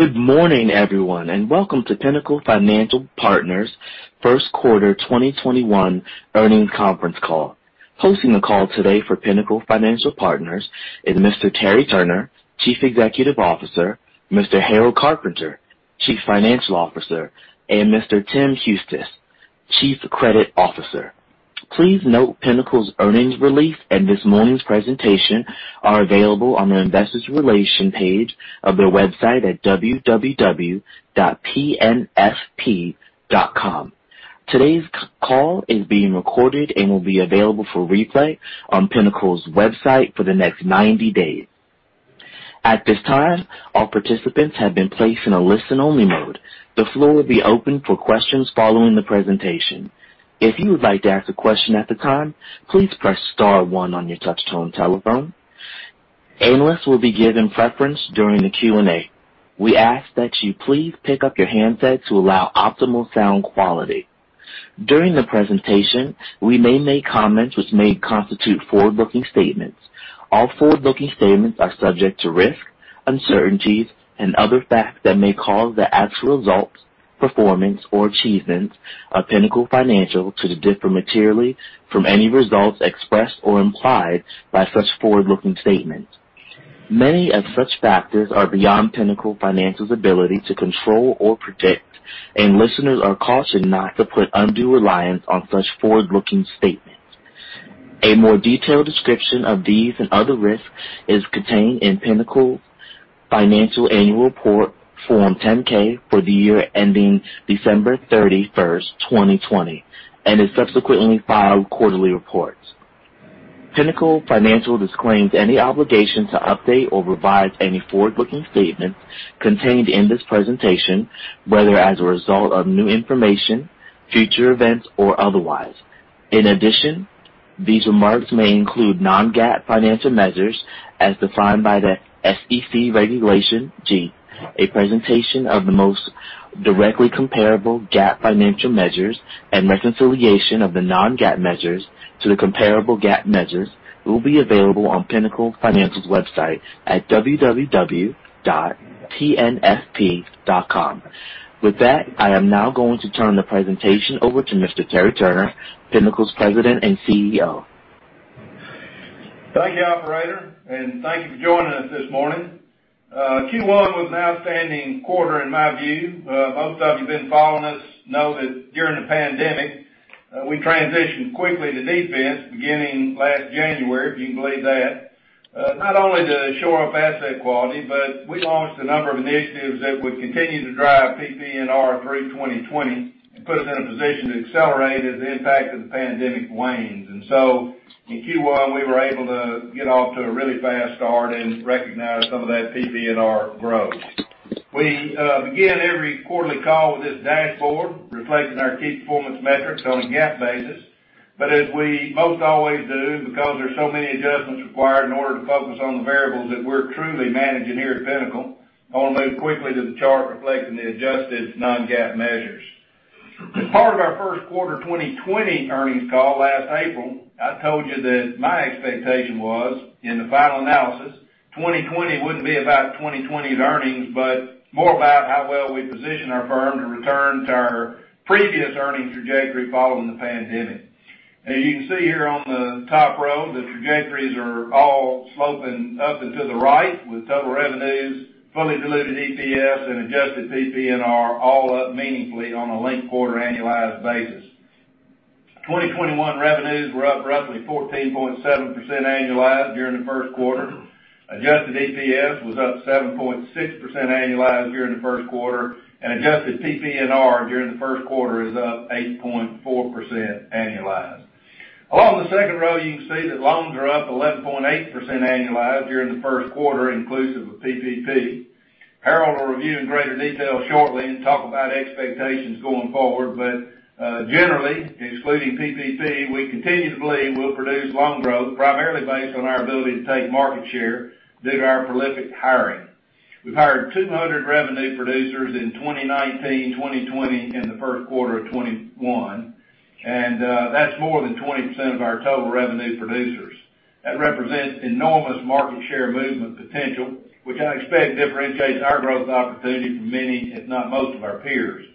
Good morning, everyone, and welcome to Pinnacle Financial Partners' first quarter 2021 earnings conference call. Hosting the call today for Pinnacle Financial Partners is Mr. Terry Turner, Chief Executive Officer, Mr. Harold Carpenter, Chief Financial Officer, and Mr. Tim Huestis, Chief Credit Officer. Please note Pinnacle's earnings release and this morning's presentation are available on the investor relation page of their website at www.pnfp.com. Today's call is being recorded and will be available for replay on Pinnacle's website for the next 90 days. At this time, all participants have been placed in a listen-only mode. The floor will be open for questions following the presentation. If you would like to ask a question at the time, please press star one on your touch-tone telephone. Analysts will be given preference during the Q&A. We ask that you please pick up your handset to allow optimal sound quality. During the presentation, we may make comments which may constitute forward-looking statements. All forward-looking statements are subject to risks, uncertainties, and other facts that may cause the actual results, performance, or achievements of Pinnacle Financial to differ materially from any results expressed or implied by such forward-looking statements. Many of such factors are beyond Pinnacle Financial's ability to control or predict, and listeners are cautioned not to put undue reliance on such forward-looking statements. A more detailed description of these and other risks is contained in Pinnacle Financial Annual Report Form 10-K for the year ending December 31st, 2020, and in subsequently filed quarterly reports. Pinnacle Financial disclaims any obligation to update or revise any forward-looking statements contained in this presentation, whether as a result of new information, future events, or otherwise. In addition, these remarks may include non-GAAP financial measures as defined by the SEC Regulation G. A presentation of the most directly comparable GAAP financial measures and reconciliation of the non-GAAP measures to the comparable GAAP measures will be available on Pinnacle Financial's website at www.pnfp.com. With that, I am now going to turn the presentation over to Mr. Terry Turner, Pinnacle's President and CEO. Thank you, operator, and thank you for joining us this morning. Q1 was an outstanding quarter in my view. Most of you who've been following us know that during the pandemic, we transitioned quickly to defense beginning last January, if you can believe that. Not only to shore up asset quality, but we launched a number of initiatives that would continue to drive PPNR through 2020 and put us in a position to accelerate as the impact of the pandemic wanes. In Q1, we were able to get off to a really fast start and recognize some of that PPNR growth. We begin every quarterly call with this dashboard reflecting our key performance metrics on a GAAP basis. As we most always do, because there are so many adjustments required in order to focus on the variables that we're truly managing here at Pinnacle, I want to move quickly to the chart reflecting the adjusted non-GAAP measures. As part of our first quarter 2020 earnings call last April, I told you that my expectation was, in the final analysis, 2020 wouldn't be about 2020's earnings, but more about how well we position our firm to return to our previous earnings trajectory following the pandemic. As you can see here on the top row, the trajectories are all sloping up and to the right, with total revenues, fully diluted EPS, and adjusted PPNR all up meaningfully on a linked quarter annualized basis. 2021 revenues were up roughly 14.7% annualized during the first quarter. Adjusted EPS was up 7.6% annualized during the first quarter, and adjusted PPNR during the first quarter is up 8.4% annualized. Along the second row, you can see that loans are up 11.8% annualized during the first quarter, inclusive of PPP. Harold will review in greater detail shortly and talk about expectations going forward, but generally, excluding PPP, we continue to believe we'll produce loan growth primarily based on our ability to take market share due to our prolific hiring. We've hired 200 revenue producers in 2019, 2020, and the first quarter of 2021, and that's more than 20% of our total revenue producers. That represents enormous market share movement potential, which I expect differentiates our growth opportunity from many, if not most, of our peers.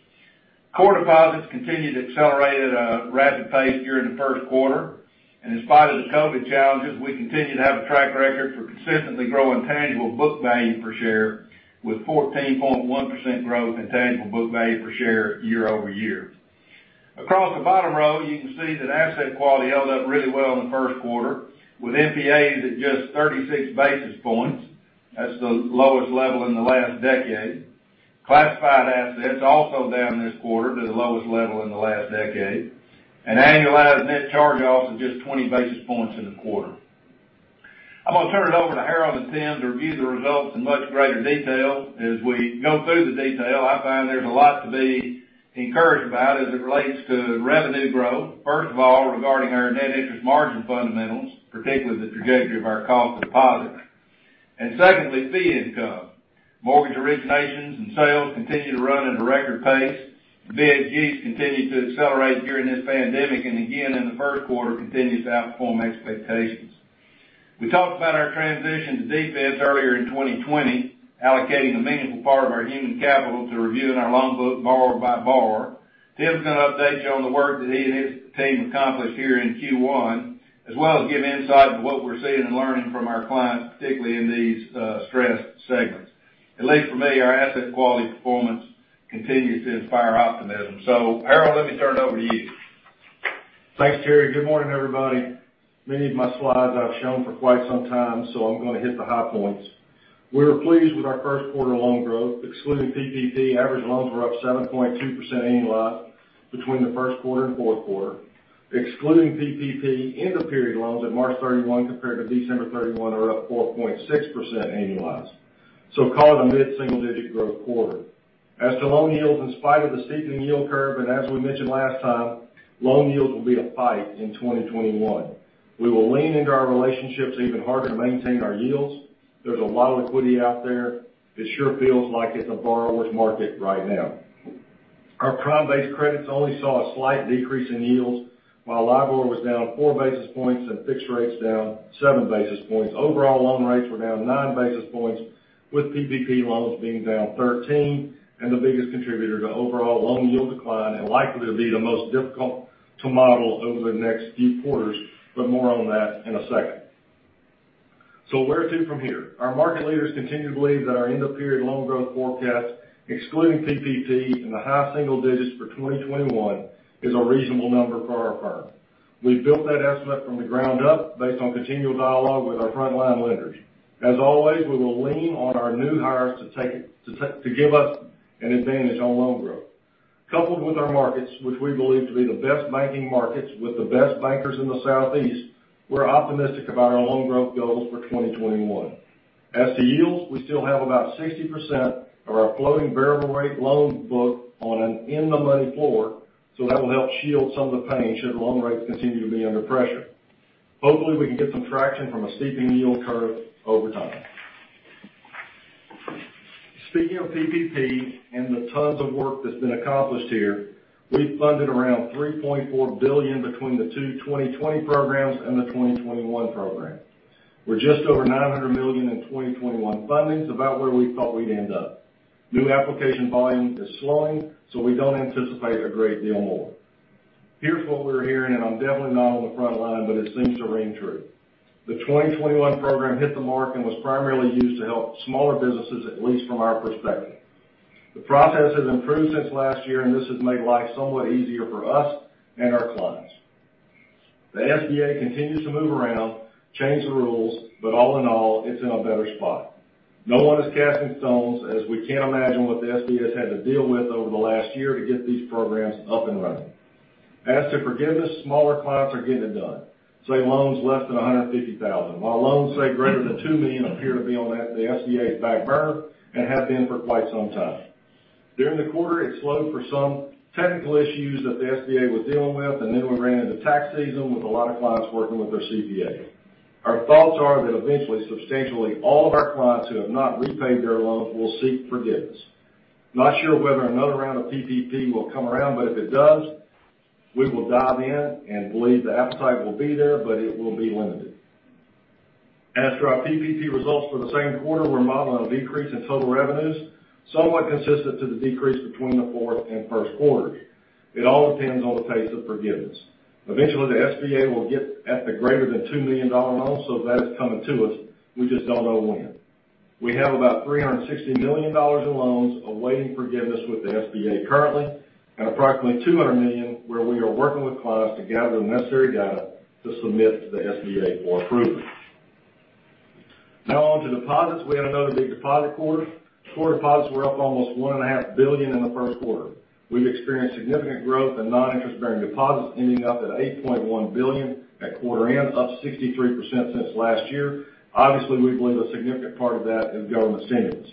Core deposits continued to accelerate at a rapid pace during the first quarter. In spite of the COVID challenges, we continue to have a track record for consistently growing tangible book value per share, with 14.1% growth in tangible book value per share year-over-year. Across the bottom row, you can see that asset quality held up really well in the first quarter, with NPAs at just 36 basis points. That's the lowest level in the last decade. Classified assets also down this quarter to the lowest level in the last decade. Annualized net charge-offs of just 20 basis points in the quarter. I'm going to turn it over to Harold and Tim to review the results in much greater detail. As we go through the detail, I find there's a lot to be encouraged about as it relates to revenue growth. First of all, regarding our net interest margin fundamentals, particularly the trajectory of our cost of deposits. Secondly, fee income. Mortgage originations and sales continue to run at a record pace. BHG has continued to accelerate during this pandemic, and again, in the first quarter, continues to outperform expectations. We talked about our transition to defense earlier in 2020, allocating a meaningful part of our human capital to reviewing our loan book borrower by borrower. Tim's going to update you on the work that he and his team accomplished here in Q1, as well as give insight into what we're seeing and learning from our clients, particularly in these stressed segments. At least for me, our asset quality performance continues to inspire optimism. Harold, let me turn it over to you. Thanks, Terry. Good morning, everybody. Many of my slides I've shown for quite some time, so I'm going to hit the high points. We were pleased with our first quarter loan growth, excluding PPP, average loans were up 7.2% annualized between the first quarter and fourth quarter. Excluding PPP, end-of-period loans at March 31 compared to December 31 are up 4.6% annualized. Call it a mid-single digit growth quarter. As to loan yields, in spite of the steepening yield curve, as we mentioned last time, loan yields will be a fight in 2021. We will lean into our relationships even harder to maintain our yields. There's a lot of liquidity out there. It sure feels like it's a borrower's market right now. Our prime-based credits only saw a slight decrease in yields, while LIBOR was down four basis points and fixed rates down seven basis points. Overall loan rates were down nine basis points, with PPP loans being down 13, and the biggest contributor to overall loan yield decline, and likely to be the most difficult to model over the next few quarters. More on that in a second. Where to from here? Our market leaders continue to believe that our end-of-period loan growth forecast, excluding PPP, in the high single digits for 2021 is a reasonable number for our firm. We built that estimate from the ground up based on continual dialogue with our frontline lenders. As always, we will lean on our new hires to give us an advantage on loan growth. Coupled with our markets, which we believe to be the best banking markets with the best bankers in the Southeast, we're optimistic about our loan growth goals for 2021. As to yields, we still have about 60% of our floating variable rate loan book on an in the money floor, so that'll help shield some of the pain should loan rates continue to be under pressure. Hopefully, we can get some traction from a steepening yield curve over time. Speaking of PPP and the tons of work that's been accomplished here, we've funded around $3.4 billion between the two 2020 programs and the 2021 program. We're just over $900 million in 2021 funding, so about where we thought we'd end up. New application volume is slowing, so we don't anticipate a great deal more. Here's what we're hearing, and I'm definitely not on the front line, but it seems to ring true. The 2021 program hit the mark and was primarily used to help smaller businesses, at least from our perspective. The process has improved since last year and this has made life somewhat easier for us and our clients. The SBA continues to move around, change the rules, but all in all, it's in a better spot. No one is casting stones as we can't imagine what the SBA has had to deal with over the last year to get these programs up and running. As to forgiveness, smaller clients are getting it done, say loans less than $150,000, while loans, say, greater than $2 million appear to be on the SBA's back burner and have been for quite some time. During the quarter, it slowed for some technical issues that the SBA was dealing with, and then we ran into tax season with a lot of clients working with their CPA. Our thoughts are that eventually, substantially all of our clients who have not repaid their loans will seek forgiveness. Not sure whether another round of PPP will come around, but if it does, we will dive in and believe the appetite will be there, but it will be limited. As for our PPP results for the same quarter, we're modeling a decrease in total revenues, somewhat consistent to the decrease between the fourth and first quarters. It all depends on the pace of forgiveness. Eventually, the SBA will get at the greater than two million dollar loans, so that is coming to us, we just don't know when. We have about $360 million in loans awaiting forgiveness with the SBA currently, and approximately $200 million where we are working with clients to gather the necessary data to submit to the SBA for approval. Now on to deposits. We had another big deposit. Core deposits were up almost $1.5 billion in the first quarter. We've experienced significant growth in non-interest bearing deposits, ending up at $8.1 billion at quarter end, up 63% since last year. Obviously, we believe a significant part of that is government stimulus.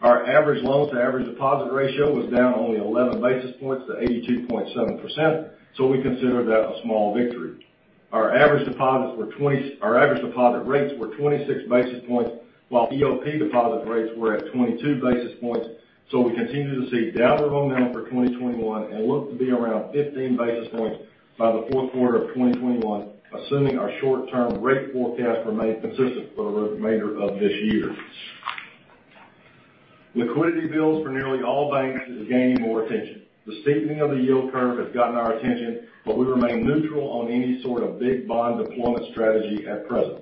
Our average loan to average deposit ratio was down only 11 basis points to 82.7%. We consider that a small victory. Our average deposit rates were 26 basis points while EOP deposit rates were at 22 basis points, so we continue to see downward momentum for 2021 and look to be around 15 basis points by the fourth quarter of 2021, assuming our short-term rate forecasts remain consistent for the remainder of this year. Liquidity builds for nearly all banks is gaining more attention. The steepening of the yield curve has gotten our attention, but we remain neutral on any sort of big bond deployment strategy at present.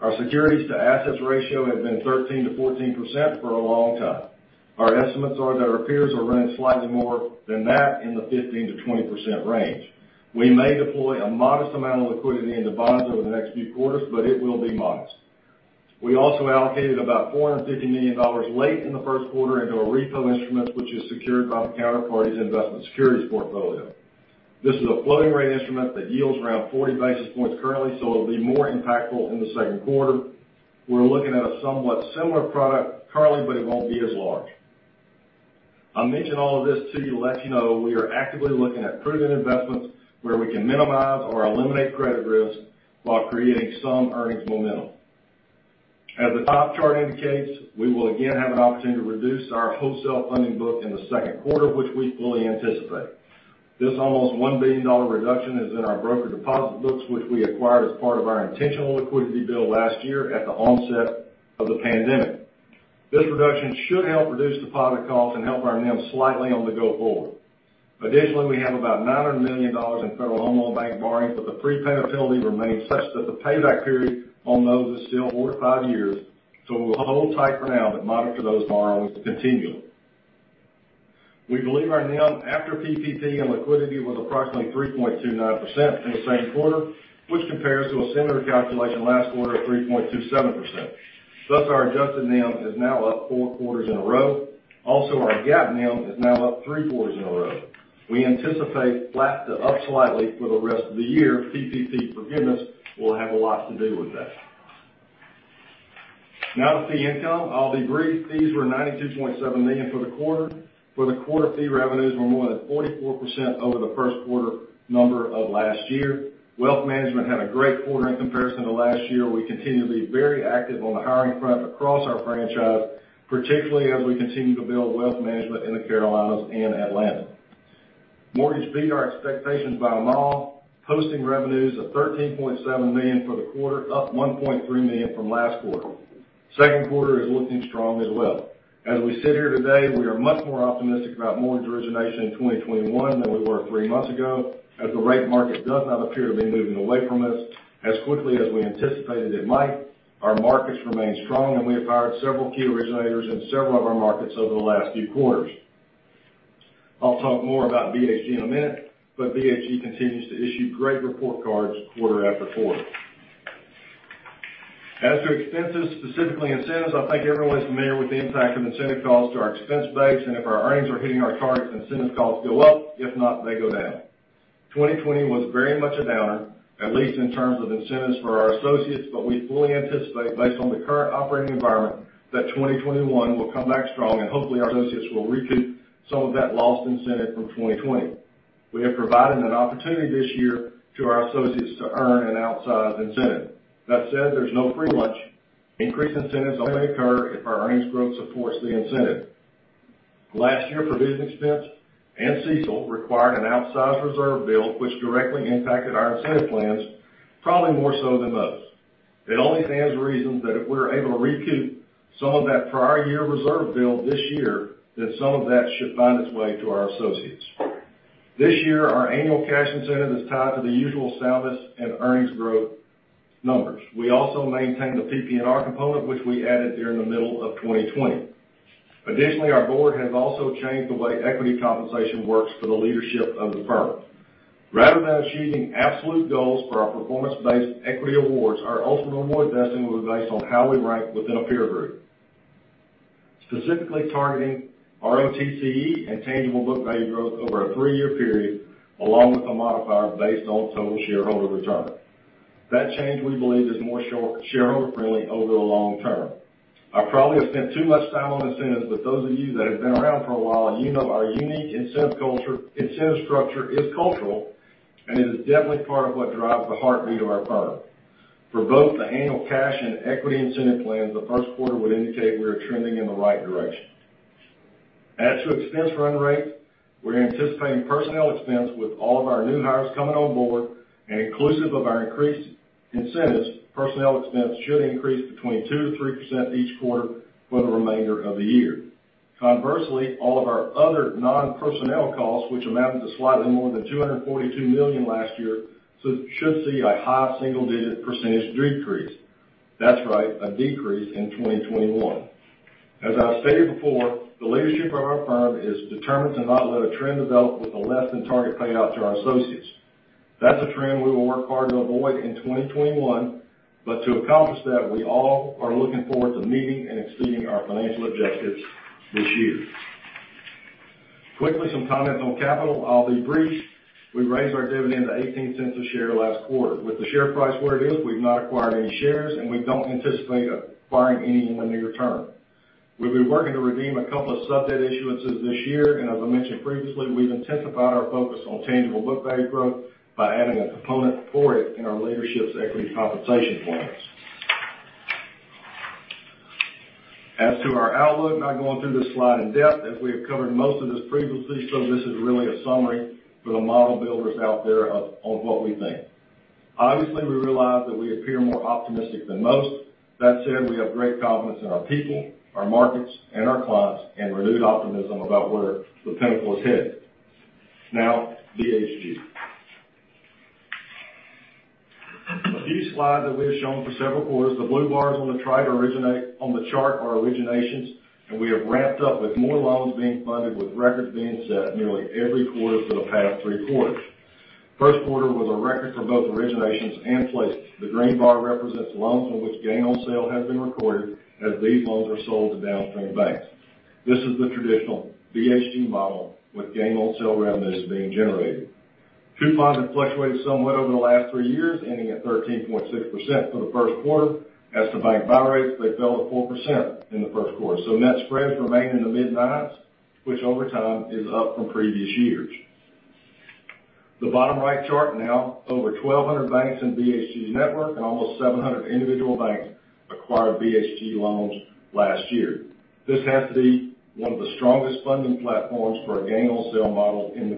Our securities to assets ratio has been 13%-14% for a long time. Our estimates are that our peers are running slightly more than that in the 15%-20% range. We may deploy a modest amount of liquidity into bonds over the next few quarters, but it will be modest. We also allocated about $450 million late in the first quarter into a repo instrument, which is secured by the counterparty's investment securities portfolio. This is a floating rate instrument that yields around 40 basis points currently, so it'll be more impactful in the second quarter. We're looking at a somewhat similar product currently, but it won't be as large. I mention all of this to you to let you know we are actively looking at prudent investments where we can minimize or eliminate credit risk while creating some earnings momentum. As the top chart indicates, we will again have an opportunity to reduce our wholesale funding book in the second quarter, which we fully anticipate. This almost $1 billion reduction is in our broker deposit books, which we acquired as part of our intentional liquidity build last year at the onset of the pandemic. This reduction should help reduce deposit costs and help our NIM slightly on the go forward. Additionally, we have about $900 million in Federal Home Loan Bank borrowings, but the prepayment penalty remains such that the payback period on those is still four to five years. We'll hold tight for now but monitor those borrowings continually. We believe our NIM after PPP and liquidity was approximately 3.29% in the same quarter, which compares to a similar calculation last quarter of 3.27%. Thus, our adjusted NIM is now up four quarters in a row. Also, our GAAP NIM is now up three quarters in a row. We anticipate flat to up slightly for the rest of the year. PPP forgiveness will have a lot to do with that. Now to fee income. I'll be brief. Fees were $92.7 million for the quarter. For the quarter, fee revenues were more than 44% over the first quarter number of last year. Wealth Management had a great quarter in comparison to last year. We continue to be very active on the hiring front across our franchise, particularly as we continue to build Wealth Management in the Carolinas and Atlanta. Mortgage beat our expectations by a mile, posting revenues of $13.7 million for the quarter, up $1.3 million from last quarter. Second quarter is looking strong as well. As we sit here today, we are much more optimistic about mortgage origination in 2021 than we were three months ago, as the rate market does not appear to be moving away from us as quickly as we anticipated it might. Our markets remain strong, and we have hired several key originators in several of our markets over the last few quarters. I'll talk more about BHG in a minute, but BHG continues to issue great report cards quarter after quarter. As to expenses, specifically incentives, I think everyone is familiar with the impact of incentive costs to our expense base. If our earnings are hitting our targets, incentive costs go up. If not, they go down. 2020 was very much a downer, at least in terms of incentives for our associates. We fully anticipate, based on the current operating environment, that 2021 will come back strong and hopefully our associates will recoup some of that lost incentive from 2020. We have provided an opportunity this year to our associates to earn an outsized incentive. That said, there's no free lunch. Increased incentives only occur if our earnings growth supports the incentive. Last year, provision expense and CECL required an outsized reserve build, which directly impacted our incentive plans, probably more so than most. It only stands to reason that if we're able to recoup some of that prior year reserve build this year, then some of that should find its way to our associates. This year, our annual cash incentive is tied to the usual [SALVIS] and earnings growth numbers. We also maintain the PPNR component, which we added during the middle of 2020. Additionally, our board has also changed the way equity compensation works for the leadership of the firm. Rather than achieving absolute goals for our performance-based equity awards, our ultimate award vesting will be based on how we rank within a peer group, specifically targeting ROTCE and tangible book value growth over a three-year period, along with a modifier based on total shareholder return. That change, we believe, is more shareholder-friendly over the long term. I probably have spent too much time on incentives, but those of you that have been around for a while, you know our unique incentive structure is cultural, and it is definitely part of what drives the heartbeat of our firm. For both the annual cash and equity incentive plans, the first quarter would indicate we are trending in the right direction. As to expense run rate, we're anticipating personnel expense with all of our new hires coming on board, and inclusive of our increased incentives, personnel expense should increase between 2%-3% each quarter for the remainder of the year. Conversely, all of our other non-personnel costs, which amounted to slightly more than $242 million last year, should see a high single-digit percentage decrease. That's right, a decrease in 2021. As I've stated before, the leadership of our firm is determined to not let a trend develop with a less than target payout to our associates. That's a trend we will work hard to avoid in 2021, but to accomplish that, we all are looking forward to meeting and exceeding our financial objectives this year. Quickly, some comments on capital. I'll be brief. We raised our dividend to $0.18 a share last quarter. With the share price where it is, we've not acquired any shares, and we don't anticipate acquiring any in the near term. We've been working to redeem a couple of sub debt issuances this year, and as I mentioned previously, we've intensified our focus on tangible book value growth by adding a component for it in our leadership's equity compensation plans. As to our outlook, I'm not going through this slide in depth, as we have covered most of this previously, so this is really a summary for the model builders out there of what we think. Obviously, we realize that we appear more optimistic than most. That said, we have great confidence in our people, our markets, and our clients, and renewed optimism about where Pinnacle is headed. Now, BHG. A few slides that we have shown for several quarters. The blue bars on the chart are originations, and we have ramped up with more loans being funded with records being set nearly every quarter for the past three quarters. First quarter was a record for both originations and placements. The green bar represents loans on which gain on sale has been recorded, as these loans are sold to downstream banks. This is the traditional BHG model with gain on sale revenues being generated. Coupons have fluctuated somewhat over the last three years, ending at 13.6% for the first quarter. As to bank buy rates, they fell to 4% in the first quarter. Net spreads remain in the mid-nines, which over time is up from previous years. The bottom right chart now, over 1,200 banks in BHG's network and almost 700 individual banks acquired BHG loans last year. This has to be one of the strongest funding platforms for a gain-on-sale model in the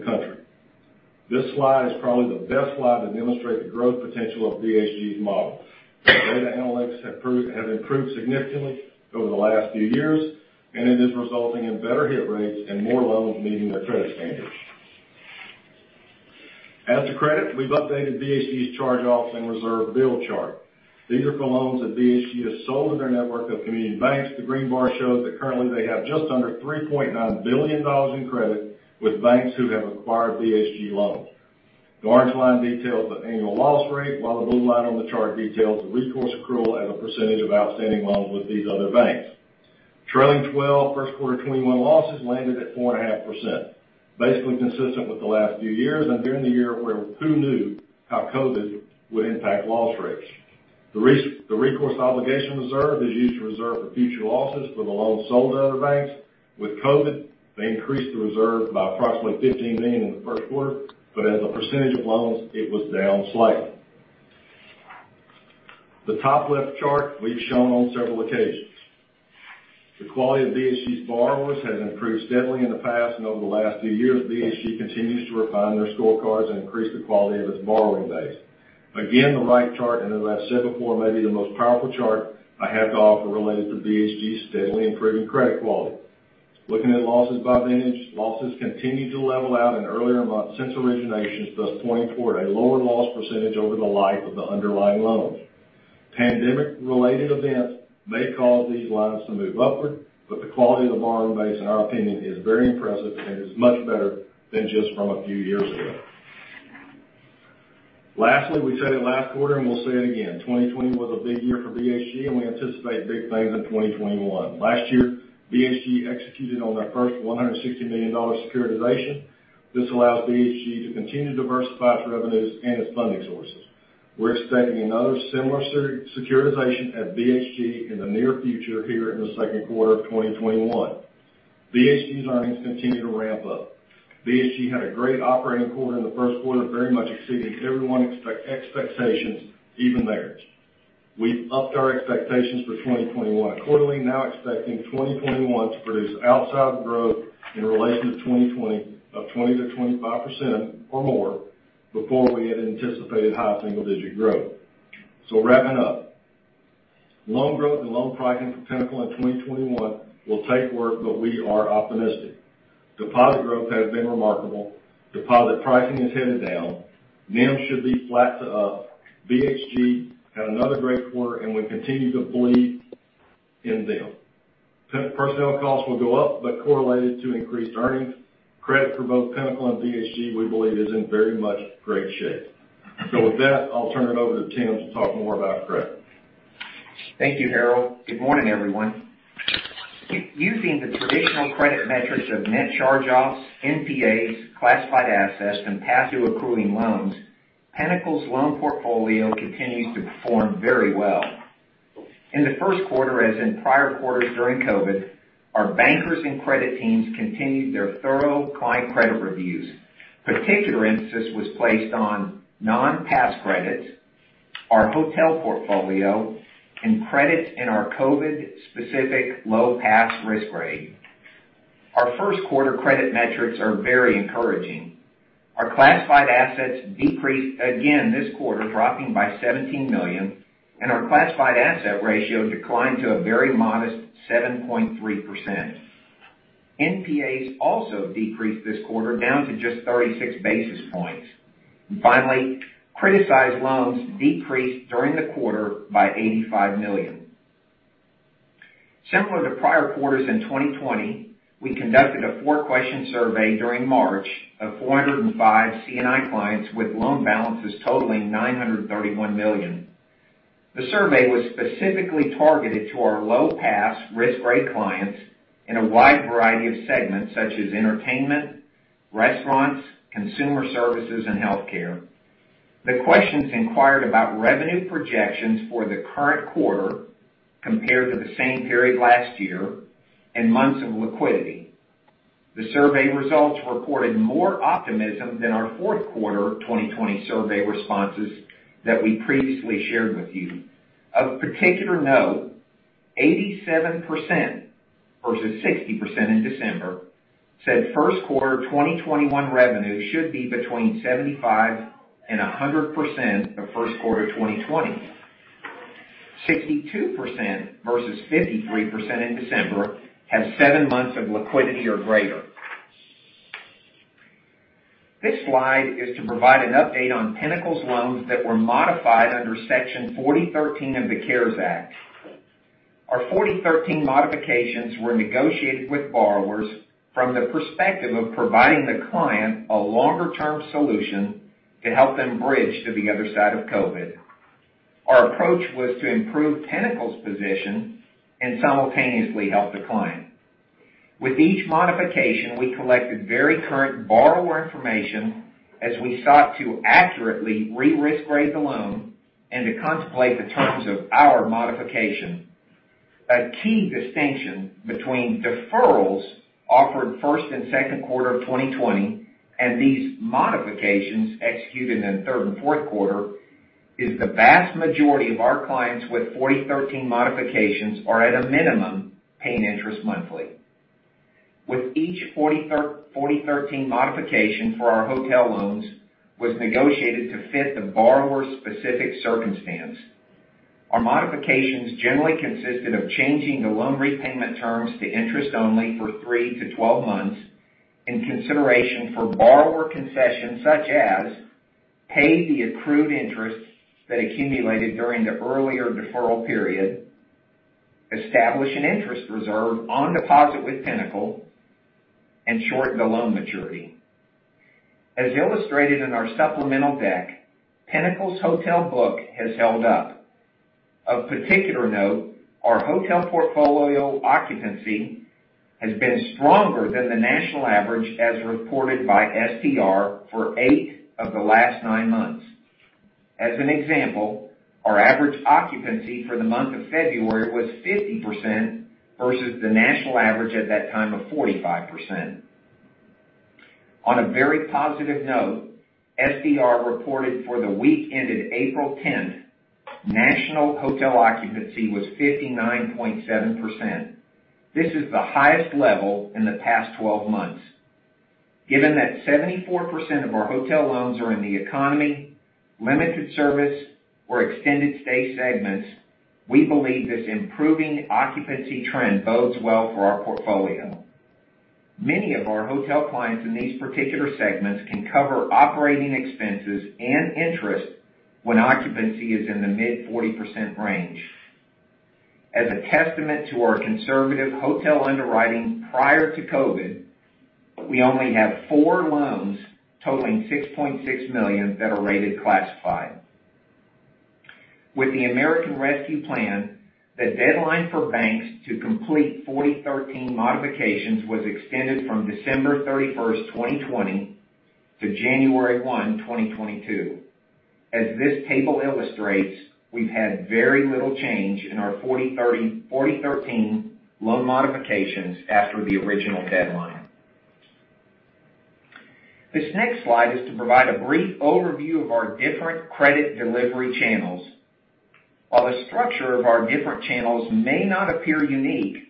country. This slide is probably the best slide that demonstrates the growth potential of BHG's model. Data analytics have improved significantly over the last few years. It is resulting in better hit rates and more loans meeting their credit standards. As to credit, we've updated BHG's charge-offs and reserve build chart. These are for loans that BHG has sold in their network of community banks. The green bar shows that currently they have just under $3.9 billion in credit with banks who have acquired BHG loans. The orange line details the annual loss rate, while the blue line on the chart details the recourse accrual as a percentage of outstanding loans with these other banks. Trailing 12 first quarter 2021 losses landed at 4.5%, basically consistent with the last few years, and during the year where who knew how COVID would impact loss rates. The recourse obligation reserve is used to reserve for future losses for the loans sold to other banks. With COVID, they increased the reserve by approximately $15 million in the first quarter, but as a percentage of loans, it was down slightly. The top left chart we've shown on several occasions. The quality of BHG's borrowers has improved steadily in the past, and over the last few years, BHG continues to refine their scorecards and increase the quality of its borrowing base. Again, the right chart, and as I said before, maybe the most powerful chart I have to offer related to BHG's steadily improving credit quality. Looking at losses by vintage, losses continued to level out in earlier months since originations, thus pointing toward a lower loss percentage over the life of the underlying loans. Pandemic related events may cause these lines to move upward, but the quality of the borrowing base, in our opinion, is very impressive and is much better than just from a few years ago. Lastly, we said it last quarter, and we'll say it again, 2020 was a big year for BHG, and we anticipate big things in 2021. Last year, BHG executed on their first $160 million securitization. This allows BHG to continue to diversify its revenues and its funding sources. We're expecting another similar securitization at BHG in the near future here in the second quarter of 2021. BHG's earnings continue to ramp up. BHG had a great operating quarter in the first quarter, very much exceeding everyone's expectations, even theirs. We've upped our expectations for 2021. Quarterly now expecting 2021 to produce outsized growth in relation to 2020 of 20%-25% or more before we had anticipated high single digit growth. Wrapping up, loan growth and loan pricing for Pinnacle in 2021 will take work, but we are optimistic. Deposit growth has been remarkable. Deposit pricing is headed down. NIM should be flat to up. BHG had another great quarter, and we continue to believe in them. Personnel costs will go up, but correlated to increased earnings. Credit for both Pinnacle and BHG, we believe, is in very much great shape. With that, I'll turn it over to Tim to talk more about credit. Thank you, Harold. Good morning, everyone. Using the traditional credit metrics of net charge-offs, NPAs, classified assets, and past-due accruing loans, Pinnacle's loan portfolio continues to perform very well. In the first quarter, as in prior quarters during COVID, our bankers and credit teams continued their thorough client credit reviews. Particular emphasis was placed on non-pass credits, our hotel portfolio, and credits in our COVID-specific low pass risk grade. Our first quarter credit metrics are very encouraging. Our classified assets decreased again this quarter, dropping by $17 million, and our classified asset ratio declined to a very modest 7.3%. NPAs also decreased this quarter down to just 36 basis points. Finally, criticized loans decreased during the quarter by $85 million. Similar to prior quarters in 2020, we conducted a four-question survey during March of 405 C&I clients with loan balances totaling $931 million. The survey was specifically targeted to our low pass risk grade clients in a wide variety of segments such as entertainment, restaurants, consumer services, and healthcare. The questions inquired about revenue projections for the current quarter compared to the same period last year and months of liquidity. The survey results reported more optimism than our fourth quarter 2020 survey responses that we previously shared with you. Of particular note, 87%, versus 60% in December, said first quarter 2021 revenue should be between 75% and 100% of first quarter 2020. 62%, versus 53% in December, had seven months of liquidity or greater. This slide is to provide an update on Pinnacle's loans that were modified under Section 4013 of the CARES Act. Our 4013 modifications were negotiated with borrowers from the perspective of providing the client a longer-term solution to help them bridge to the other side of COVID. Our approach was to improve Pinnacle's position and simultaneously help the client. With each modification, we collected very current borrower information as we sought to accurately re-risk grade the loan and to contemplate the terms of our modification. A key distinction between deferrals offered first and second quarter of 2020, and these modifications executed in third and fourth quarter, is the vast majority of our clients with 4013 modifications are at a minimum, paying interest monthly. With each 4013 modification for our hotel loans was negotiated to fit the borrower's specific circumstance. Our modifications generally consisted of changing the loan repayment terms to interest only for three to 12 months, in consideration for borrower concessions such as, pay the accrued interest that accumulated during the earlier deferral period, establish an interest reserve on deposit with Pinnacle, and shorten the loan maturity. As illustrated in our supplemental deck, Pinnacle's hotel book has held up. Of particular note, our hotel portfolio occupancy has been stronger than the national average as reported by STR for eight of the last nine months. As an example, our average occupancy for the month of February was 50%, versus the national average at that time of 45%. On a very positive note, STR reported for the week ended April 10th, national hotel occupancy was 59.7%. This is the highest level in the past 12 months. Given that 74% of our hotel loans are in the economy, limited service or extended stay segments, we believe this improving occupancy trend bodes well for our portfolio. Many of our hotel clients in these particular segments can cover operating expenses and interest when occupancy is in the mid 40% range. As a testament to our conservative hotel underwriting prior to COVID, we only have four loans totaling $6.6 million that are rated classified. With the American Rescue Plan, the deadline for banks to complete 4013 modifications was extended from December 31st, 2020 to January 1, 2022. As this table illustrates, we've had very little change in our 4013 loan modifications after the original deadline. This next slide is to provide a brief overview of our different credit delivery channels. While the structure of our different channels may not appear unique,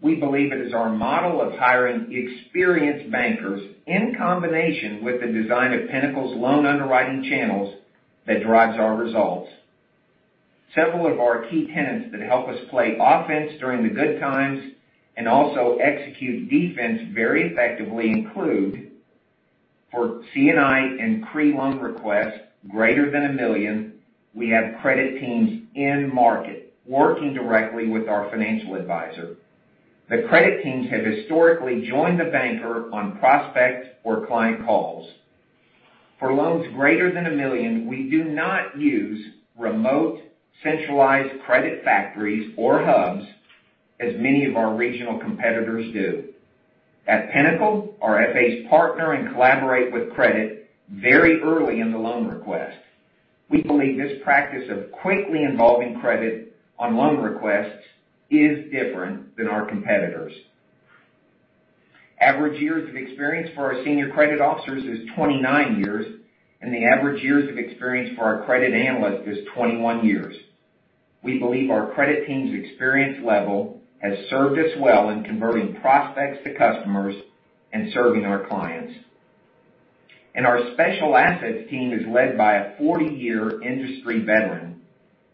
we believe it is our model of hiring experienced bankers in combination with the design of Pinnacle's loan underwriting channels, that drives our results. Several of our key tenets that help us play offense during the good times and also execute defense very effectively include, for C&I and CRE loan requests greater than $1 million, we have credit teams in market, working directly with our financial advisor. The credit teams have historically joined the banker on prospect or client calls. For loans greater than $1 million, we do not use remote centralized credit factories or hubs, as many of our regional competitors do. At Pinnacle, our FAs partner and collaborate with credit very early in the loan request. We believe this practice of quickly involving credit on loan requests is different than our competitors. Average years of experience for our senior credit officers is 29 years, and the average years of experience for our credit analyst is 21 years. We believe our credit team's experience level has served us well in converting prospects to customers and serving our clients. Our special assets team is led by a 40-year industry veteran.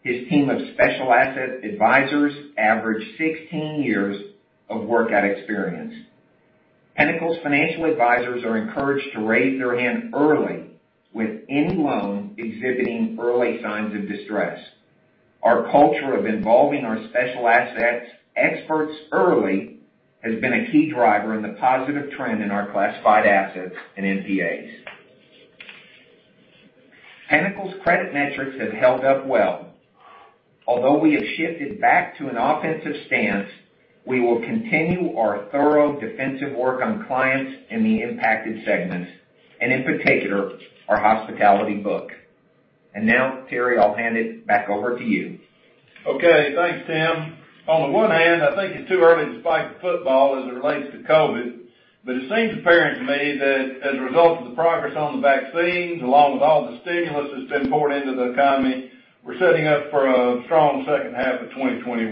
His team of special asset advisors average 16 years of workout experience. Pinnacle's financial advisors are encouraged to raise their hand early with any loan exhibiting early signs of distress. Our culture of involving our special assets experts early has been a key driver in the positive trend in our classified assets and NPAs. Pinnacle's credit metrics have held up well. Although we have shifted back to an offensive stance, we will continue our thorough defensive work on clients in the impacted segments, and in particular, our hospitality book. Now, Terry, I'll hand it back over to you. Okay, thanks, Tim. On the one hand, I think it's too early to spike the football as it relates to COVID, but it seems apparent to me that as a result of the progress on the vaccines, along with all the stimulus that's been poured into the economy, we're setting up for a strong second half of 2021.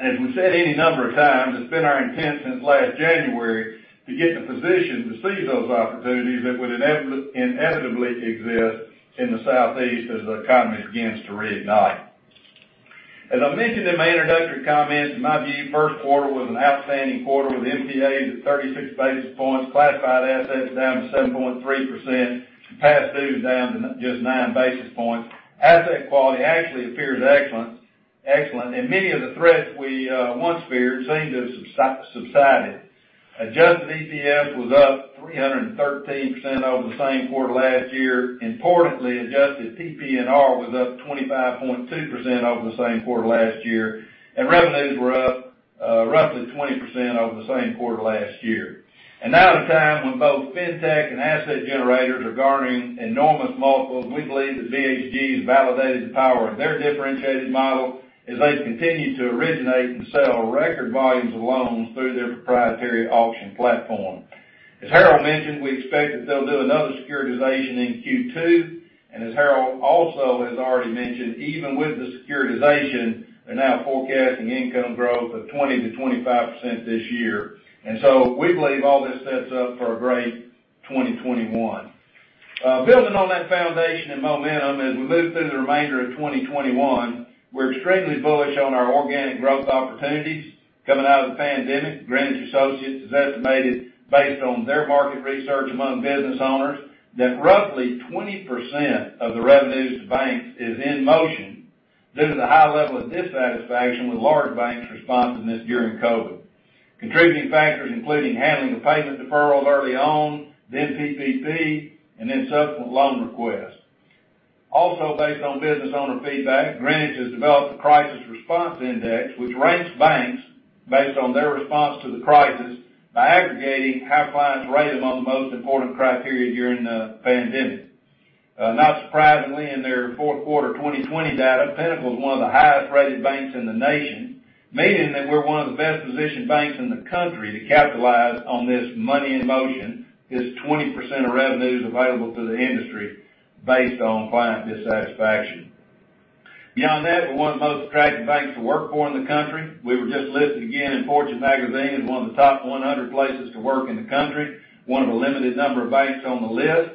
As we've said any number of times, it's been our intent since last January to get in a position to seize those opportunities that would inevitably exist in the Southeast as the economy begins to reignite. As I mentioned in my introductory comments, in my view, first quarter was an outstanding quarter with NPAs at 36 basis points, classified assets down to 7.3%, past dues down to just nine basis points. Asset quality actually appears excellent, and many of the threats we once feared seem to have subsided. Adjusted EPS was up 313% over the same quarter last year. Importantly, adjusted PPNR was up 25.2% over the same quarter last year, and revenues were up roughly 20% over the same quarter last year. Now at a time when both fintech and asset generators are garnering enormous multiples, we believe that BHG has validated the power of their differentiated model as they continue to originate and sell record volumes of loans through their proprietary auction platform. As Harold mentioned, we expect that they'll do another securitization in Q2, and as Harold also has already mentioned, even with the securitization, they're now forecasting income growth of 20%-25% this year. We believe all this sets up for a great 2021. Building on that foundation and momentum as we move through the remainder of 2021, we're extremely bullish on our organic growth opportunities coming out of the pandemic. Greenwich Associates has estimated based on their market research among business owners, that roughly 20% of the revenues to banks is in motion due to the high level of dissatisfaction with large banks' responsiveness during COVID. Contributing factors including handling the payment deferrals early on, then PPP, and then subsequent loan requests. Also based on business owner feedback, Greenwich has developed the Crisis Response Index, which ranks banks based on their response to the crisis by aggregating how clients rate among the most important criteria during the pandemic. Not surprisingly, in their fourth quarter 2020 data, Pinnacle is one of the highest-rated banks in the nation, meaning that we're one of the best-positioned banks in the country to capitalize on this money in motion. This 20% of revenue is available to the industry based on client dissatisfaction. Beyond that, we're one of the most attractive banks to work for in the country. We were just listed again in Fortune Magazine as one of the top 100 places to work in the country, one of a limited number of banks on the list.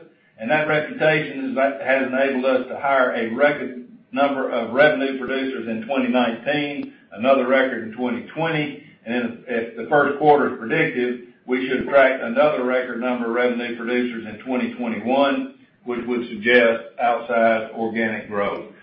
That reputation has enabled us to hire a record number of revenue producers in 2019, another record in 2020, and if the first quarter is predictive, we should attract another record number of revenue producers in 2021, which would suggest outsized organic growth.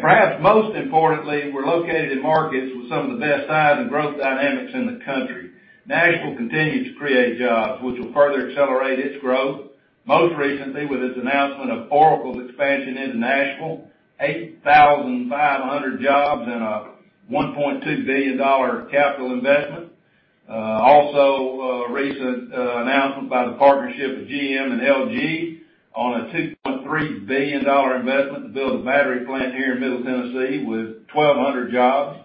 Perhaps most importantly, we're located in markets with some of the best size and growth dynamics in the country. Nashville continues to create jobs, which will further accelerate its growth, most recently with its announcement of Oracle's expansion into Nashville, 8,500 jobs and a $1.2 billion capital investment. Also, a recent announcement by the partnership of GM and LG on a $2.3 billion investment to build a battery plant here in Middle Tennessee with 1,200 jobs.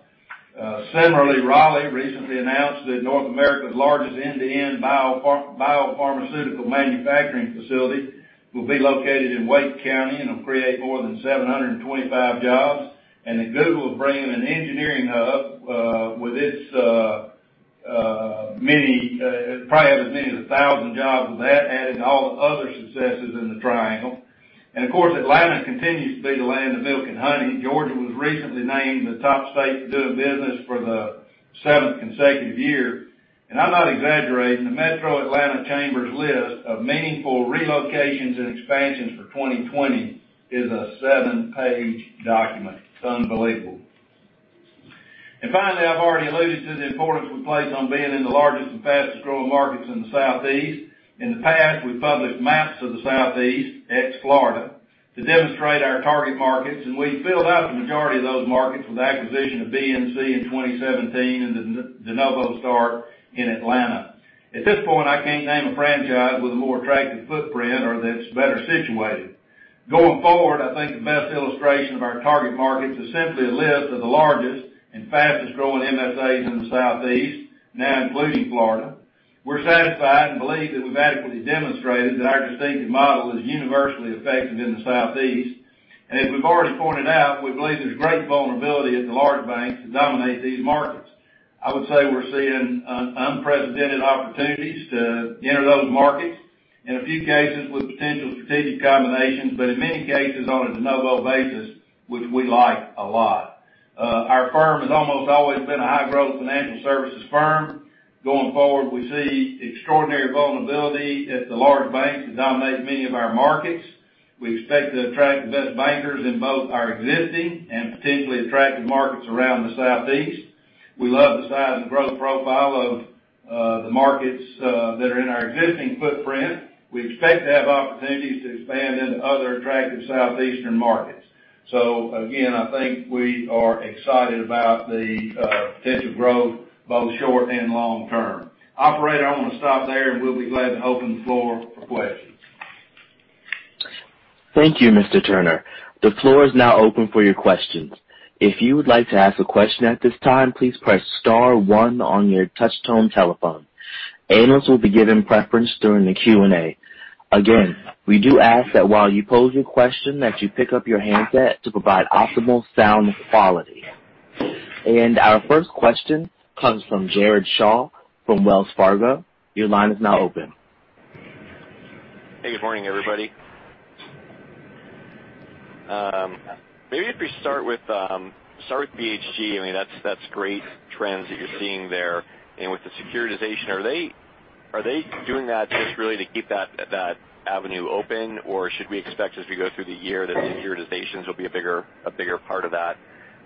Similarly, Raleigh recently announced that North America's largest end-to-end biopharmaceutical manufacturing facility will be located in Wake County and will create more than 725 jobs, and that Google is bringing an engineering hub with probably as many as 1,000 jobs with that, adding to all the other successes in the Triangle. Of course, Atlanta continues to be the land of milk and honey. Georgia was recently named the top state to do business for the seventh consecutive year. I'm not exaggerating, the Metro Atlanta Chamber's list of meaningful relocations and expansions for 2020 is a seven-page document. It's unbelievable. Finally, I've already alluded to the importance we place on being in the largest and fastest-growing markets in the Southeast. In the past, we've published maps of the Southeast, ex-Florida, to demonstrate our target markets, and we filled out the majority of those markets with the acquisition of BNC in 2017 and the de novo start in Atlanta. At this point, I can't name a franchise with a more attractive footprint or that's better situated. Going forward, I think the best illustration of our target markets is simply a list of the largest and fastest-growing MSAs in the Southeast, now including Florida. As we've already pointed out, we believe there's great vulnerability at the large banks to dominate these markets. I would say we're seeing unprecedented opportunities to enter those markets, in a few cases with potential strategic combinations, but in many cases on a de novo basis, which we like a lot. Our firm has almost always been a high-growth financial services firm. Going forward, we see extraordinary vulnerability at the large banks that dominate many of our markets. We expect to attract the best bankers in both our existing and potentially attractive markets around the Southeast. We love the size and growth profile of the markets that are in our existing footprint. We expect to have opportunities to expand into other attractive Southeastern markets. Again, I think we are excited about the potential growth, both short and long term. Operator, I want to stop there, and we'll be glad to open the floor for questions. Thank you, Mr. Turner. The floor is now open for your questions. If you would like to ask a question at this time, please press star one on your touchtone telephone. Analysts will be given preference during the Q&A. Again, we do ask that while you pose your question, that you pick up your handset to provide optimal sound quality. Our first question comes from Jared Shaw from Wells Fargo. Your line is now open. Hey, good morning, everybody. Maybe if we start with BHG, that's great trends that you're seeing there. With the securitization, are they doing that just really to keep that avenue open, or should we expect as we go through the year that the securitizations will be a bigger part of that?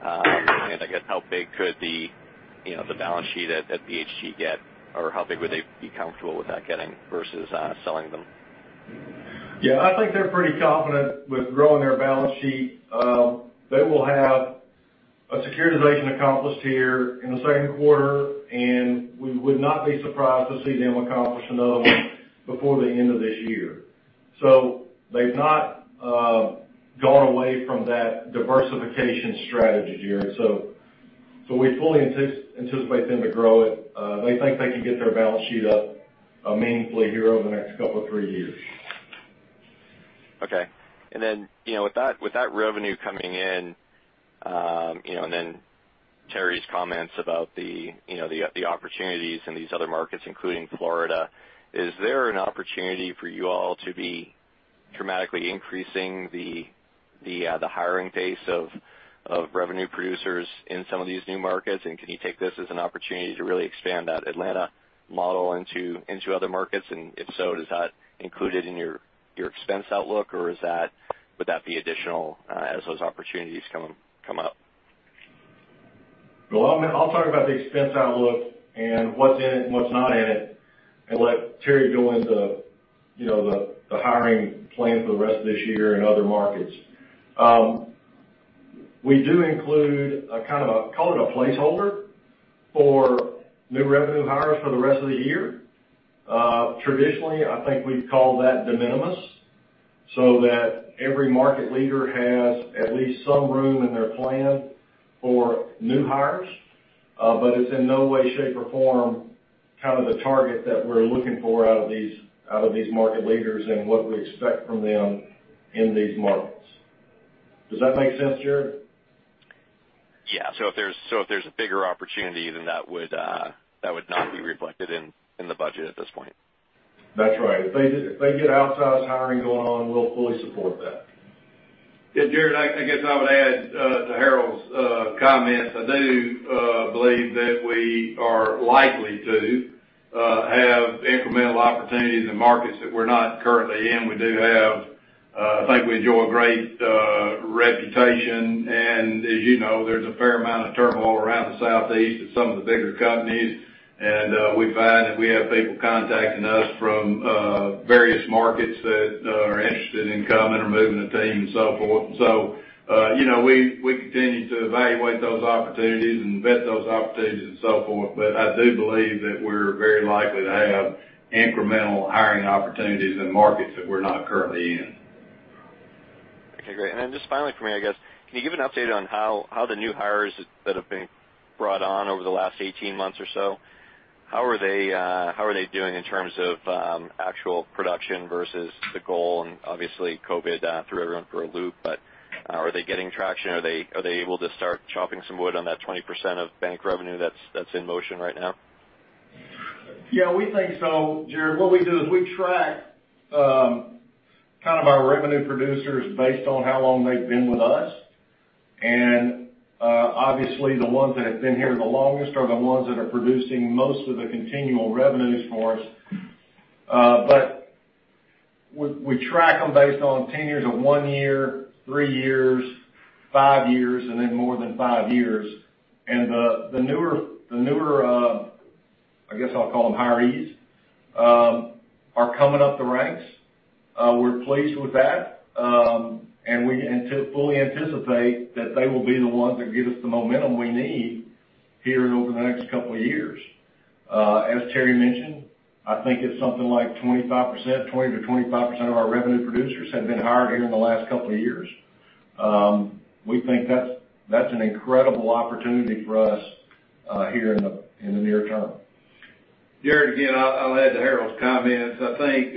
I guess how big could the balance sheet at BHG get, or how big would they be comfortable with that getting versus selling them? Yeah, I think they're pretty confident with growing their balance sheet. They will have a securitization accomplished here in the second quarter, and we would not be surprised to see them accomplish another one before the end of this year. They've not gone away from that diversification strategy, Jared. We fully anticipate them to grow it. They think they can get their balance sheet up meaningfully here over the next couple or three years. Okay. With that revenue coming in, you know, then Terry's comments about the opportunities in these other markets, including Florida, is there an opportunity for you all to be dramatically increasing the hiring pace of revenue producers in some of these new markets? Can you take this as an opportunity to really expand that Atlanta model into other markets? If so, is that included in your expense outlook, or would that be additional as those opportunities come up? Well, I'll talk about the expense outlook and what's in it and what's not in it, and let Terry go into the hiring plan for the rest of this year in other markets. We do include a kind of a, call it a placeholder for new revenue hires for the rest of the year. Traditionally, I think we've called that de minimis, so that every market leader has at least some room in their plan for new hires, but it's in no way, shape, or form, kind of the target that we're looking for out of these market leaders and what we expect from them in these markets. Does that make sense, Jared? Yeah. If there's a bigger opportunity, then that would not be reflected in the budget at this point. That's right. If they get outsized hiring going on, we'll fully support that. Yeah, Jared, I guess I would add to Harold's comments. I do believe that we are likely to have incremental opportunities in markets that we're not currently in. I think we enjoy a great reputation, and as you know, there's a fair amount of turmoil around the Southeast at some of the bigger companies. We find that we have people contacting us from various markets that are interested in coming or moving a team and so forth. We continue to evaluate those opportunities and vet those opportunities and so forth. I do believe that we're very likely to have incremental hiring opportunities in markets that we're not currently in. Okay, great. Then just finally from me, I guess, can you give an update on how the new hires that have been brought on over the last 18 months or so, how are they doing in terms of actual production versus the goal? Obviously, COVID threw everyone for a loop, but are they getting traction? Are they able to start chopping some wood on that 20% of bank revenue that's in motion right now? We think so, Jared. What we do is we track kind of our revenue producers based on how long they've been with us. Obviously, the ones that have been here the longest are the ones that are producing most of the continual revenues for us. We track them based on tenures of one year, three years, five years, and then more than five years. The newer, I guess I'll call them hirees, are coming up the ranks. We're pleased with that. We fully anticipate that they will be the ones that give us the momentum we need here and over the next couple of years. As Terry mentioned, I think it's something like 20%-25% of our revenue producers have been hired here in the last couple of years. We think that's an incredible opportunity for us here in the near term. Jared, again, I'll add to Harold's comments. I think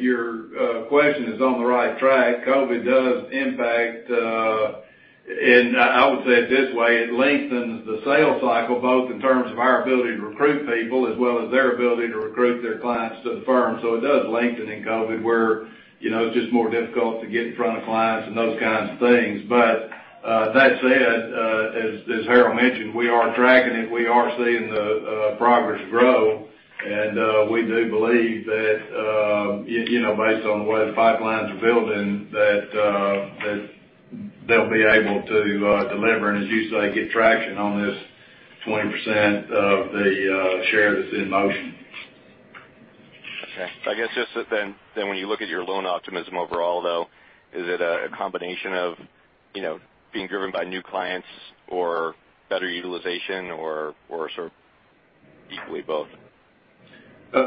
your question is on the right track. COVID does impact, and I would say it this way, it lengthens the sales cycle, both in terms of our ability to recruit people, as well as their ability to recruit their clients to the firm. It does lengthen in COVID, where, you know, it's just more difficult to get in front of clients and those kinds of things. That said, as Harold mentioned, we are tracking it. We are seeing the progress grow, and we do believe that, you know, based on the way the pipelines are building, that they'll be able to deliver and, as you say, get traction on this 20% of the share that's in motion. I guess, just when you look at your loan optimism overall, though, is it a combination of, you know, being driven by new clients or better utilization or sort of equally both?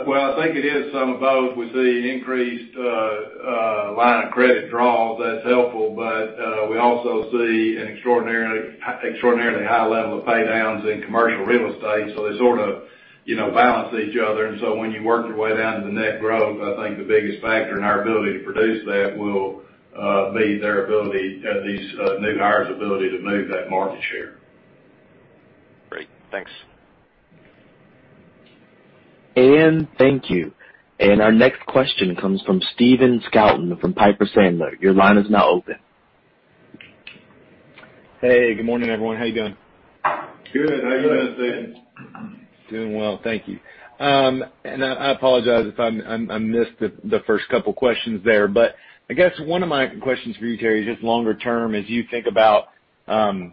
Well, I think it is some of both. We see increased line of credit draws. That's helpful, but we also see an extraordinarily high level of pay downs in commercial real estate, so they sort of balance each other. When you work your way down to the net growth, I think the biggest factor in our ability to produce that will be their ability, these new hires' ability to move that market share. Great. Thanks. Thank you. Our next question comes from Stephen Scouten from Piper Sandler. Your line is now open. Hey, good morning, everyone. How you doing? Good. How are you doing, Stephen? Doing well, thank you. I apologize if I missed the first couple questions there, I guess one of my questions for you, Terry, is just longer term as you think about BHG,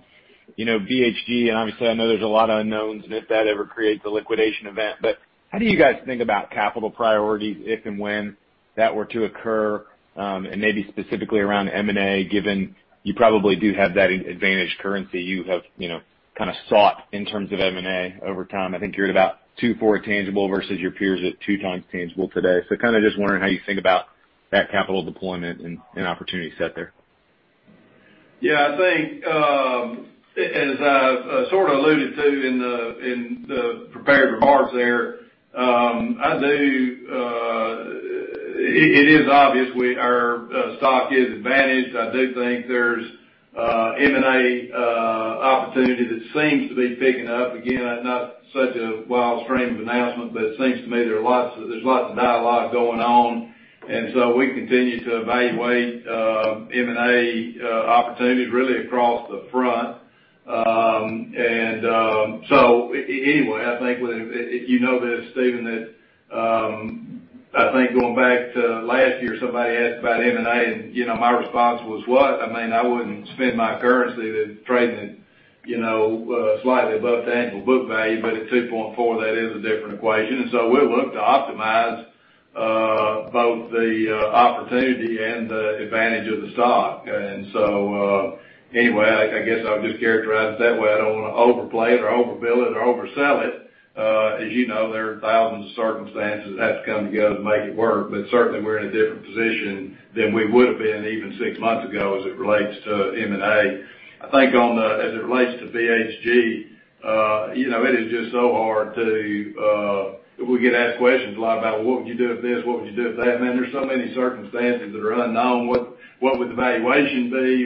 obviously I know there's a lot of unknowns, if that ever creates a liquidation event, but how do you guys think about capital priorities, if and when that were to occur? Maybe specifically around M&A, given you probably do have that advantage currency you have, you know, kind of sought in terms of M&A over time. I think you're at about two forward tangible versus your peers at two times tangible today. Kind of just wondering how you think about that capital deployment and opportunity set there. Yeah, I think, as I sort of alluded to in the prepared remarks there, it is obvious our stock is advantaged. I do think there's M&A opportunity that seems to be picking up. Again, not such a wild stream of announcements, but it seems to me there's lots of dialogue going on. We continue to evaluate M&A opportunities really across the front. Anyway, I think you know this, Stephen, that I think going back to last year, somebody asked about M&A, and my response was, "What? I mean, I wouldn't spend my currency to trade slightly above tangible book value," but at 2.4, that is a different equation. We'll look to optimize both the opportunity and the advantage of the stock. Anyway, I guess I would just characterize it that way. I don't want to overplay it or overbill it or oversell it. As you know, there are thousands of circumstances that have to come together to make it work, but certainly we're in a different position than we would have been even six months ago as it relates to M&A. I think as it relates to BHG, you know, it is just so hard to -- we get asked questions a lot about, well, what would you do with this? What would you do with that? There's so many circumstances that are unknown. What would the valuation be?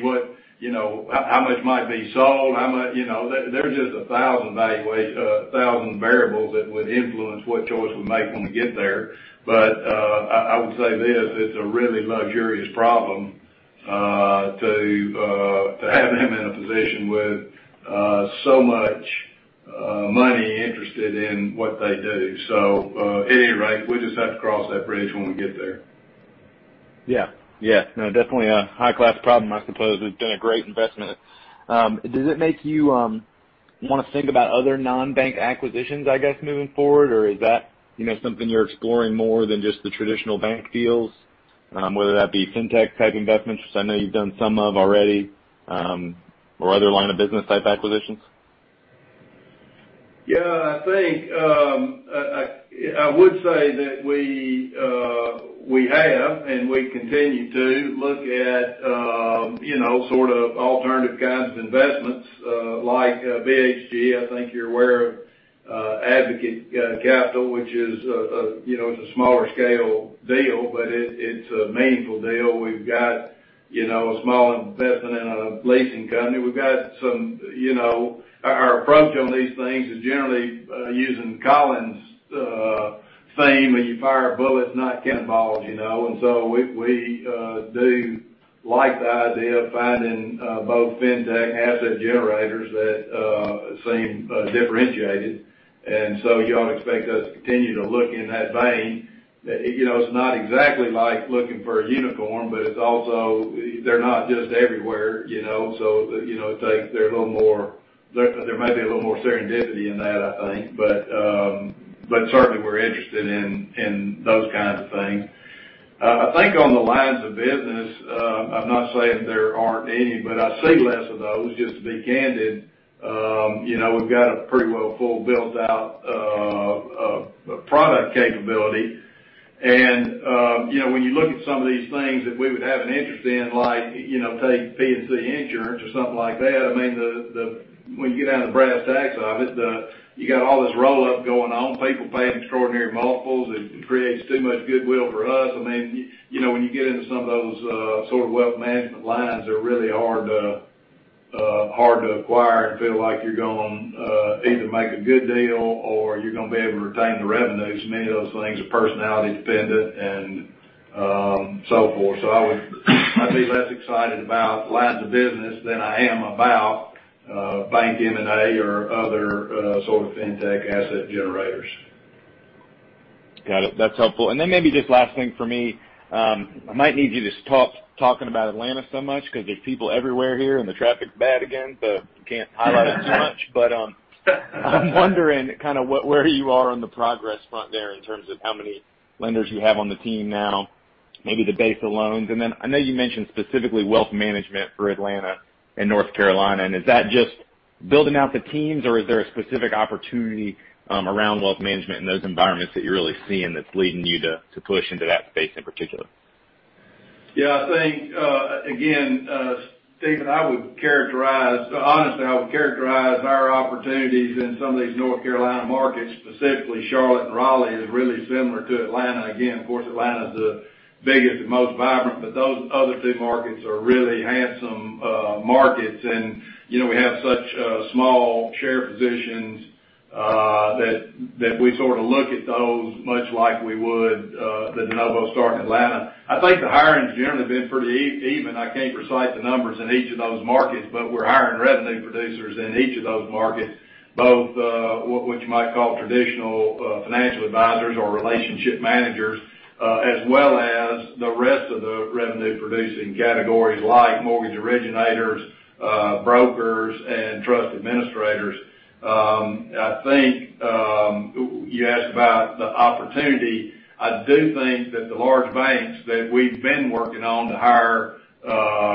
How much might be sold? There are just a thousand variables that would influence what choice we make when we get there. I would say this, it's a really luxurious problem to have him in a position with so much money interested in what they do. At any rate, we'll just have to cross that bridge when we get there. Yeah. No, definitely a high-class problem, I suppose. It's been a great investment. Does it make you want to think about other non-bank acquisitions, I guess, moving forward? Is that something you're exploring more than just the traditional bank deals whether that be fintech-type investments, which I know you've done some of already, or other line of business type acquisitions? Yeah, I would say that we have, and we continue to look at, you know, sort of alternative kinds of investments, like BHG. I think you're aware of Advocate Capital, which, you know, is a smaller scale deal, but it's a meaningful deal. We've got a small investment in a leasing company. Our approach on these things is generally using Collins' theme, and you fire bullets, not cannonballs. We do like the idea of finding both fintech asset generators that seem differentiated. You ought to expect us to continue to look in that vein. It's not exactly like looking for a unicorn, but they're not just everywhere. There may be a little more serendipity in that, I think. Certainly, we're interested in those kinds of things. I think on the lines of business, I'm not saying there aren't any, but I see less of those, just to be candid. We've got a pretty well full built-out product capability, and when you look at some of these things that we would have an interest in, like take P&C insurance or something like that, when you get down to the brass tacks of it, you got all this roll-up going on, people paying extraordinary multiples. It creates too much goodwill for us. When you get into some of those sort of wealth management lines, they're really hard to acquire and feel like you're going to either make a good deal or you're going to be able to retain the revenues. Many of those things are personality dependent and so forth. I'd be less excited about lines of business than I am about bank M&A or other sort of fintech asset generators. Got it. That's helpful. Maybe just last thing for me, I might need you to stop talking about Atlanta so much because there's people everywhere here and the traffic's bad again, can't highlight it too much, but I'm wondering kind of where you are on the progress front there in terms of how many lenders you have on the team now, maybe the base of loans. I know you mentioned specifically wealth management for Atlanta and North Carolina, is that just building out the teams, or is there a specific opportunity around wealth management in those environments that you're really seeing that's leading you to push into that space in particular? Yeah, I think, again Stephen, honestly, I would characterize our opportunities in some of these North Carolina markets, specifically Charlotte and Raleigh, as really similar to Atlanta. Of course, Atlanta is the biggest and most vibrant, those other two markets are really handsome markets. We have such small share positions that we sort of look at those much like we would the de novo start in Atlanta. I think the hiring's generally been pretty even. I can't recite the numbers in each of those markets, but we're hiring revenue producers in each of those markets, both what you might call traditional Financial Advisors or relationship managers, as well as the rest of the revenue-producing categories like mortgage originators, brokers, and trust administrators. I think you asked about the opportunity. I do think that the large banks that we've been working on to hire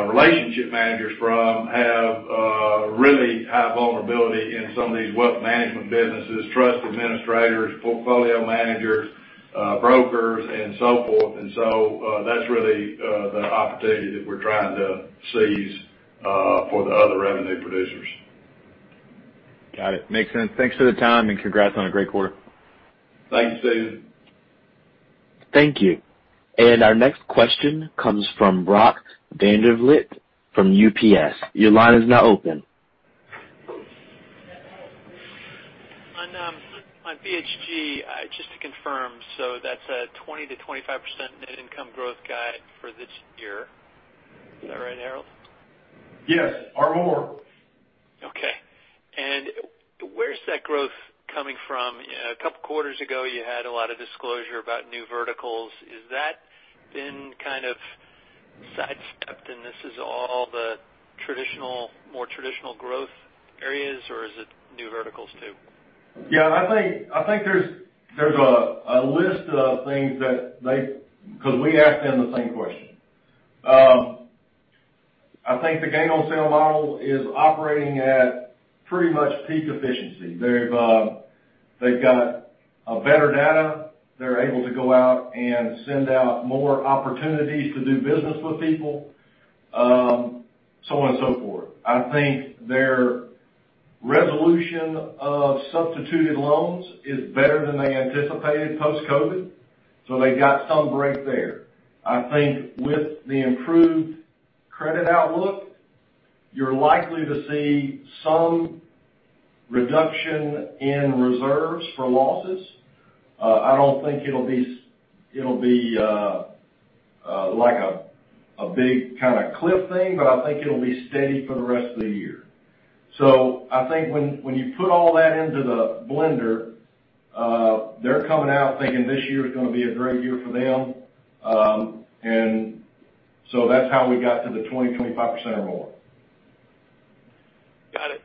relationship managers from have really high vulnerability in some of these wealth management businesses, trust administrators, portfolio managers, brokers, and so forth. That's really the opportunity that we're trying to seize for the other revenue producers. Got it. Makes sense. Thanks for the time, and congrats on a great quarter. Thanks, Stephen. Thank you. Our next question comes from Brock Vandervliet from UBS. Your line is now open. On BHG, just to confirm, that's a 20%-25% net income growth guide for this year. Is that right, Harold? Yes, or more. Okay. Where's that growth coming from? A couple of quarters ago, you had a lot of disclosure about new verticals. Is that been kind of sidestepped, and this is all the more traditional growth areas, or is it new verticals, too? Yeah, I think there's a list of things that because we asked them the same question. I think the gain on sale model is operating at pretty much peak efficiency. They've got better data. They're able to go out and send out more opportunities to do business with people, so on and so forth. I think their resolution of substituted loans is better than they anticipated post-COVID, so they got some break there. I think with the improved credit outlook, you're likely to see some reduction in reserves for losses. I don't think it'll be like a big kind of cliff thing, but I think it'll be steady for the rest of the year. I think when you put all that into the blender, they're coming out thinking this year is going to be a great year for them. That's how we got to the 20%, 25% or more. Got it.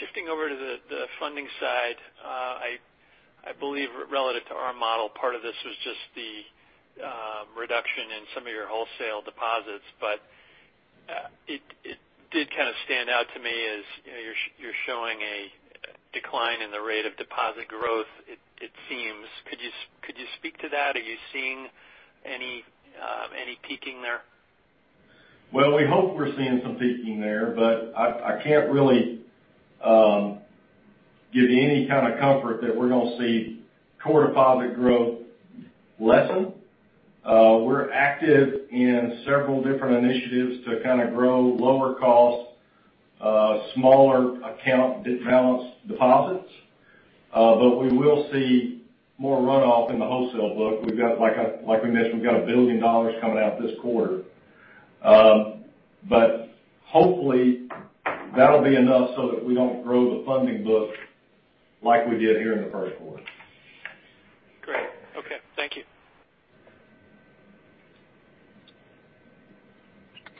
Shifting over to the funding side, I believe relative to our model, part of this was just the reduction in some of your wholesale deposits, but it did kind of stand out to me as you're showing a decline in the rate of deposit growth, it seems. Could you speak to that? Are you seeing any peaking there? Well, we hope we're seeing some peaking there, but I can't really give you any kind of comfort that we're going to see core deposit growth lessen. We're active in several different initiatives to kind of grow lower cost, smaller account balance deposits, but we will see more runoff in the wholesale book. Like we mentioned, we've got $1 billion coming out this quarter. Hopefully, that'll be enough so that we don't grow the funding book like we did here in the first quarter.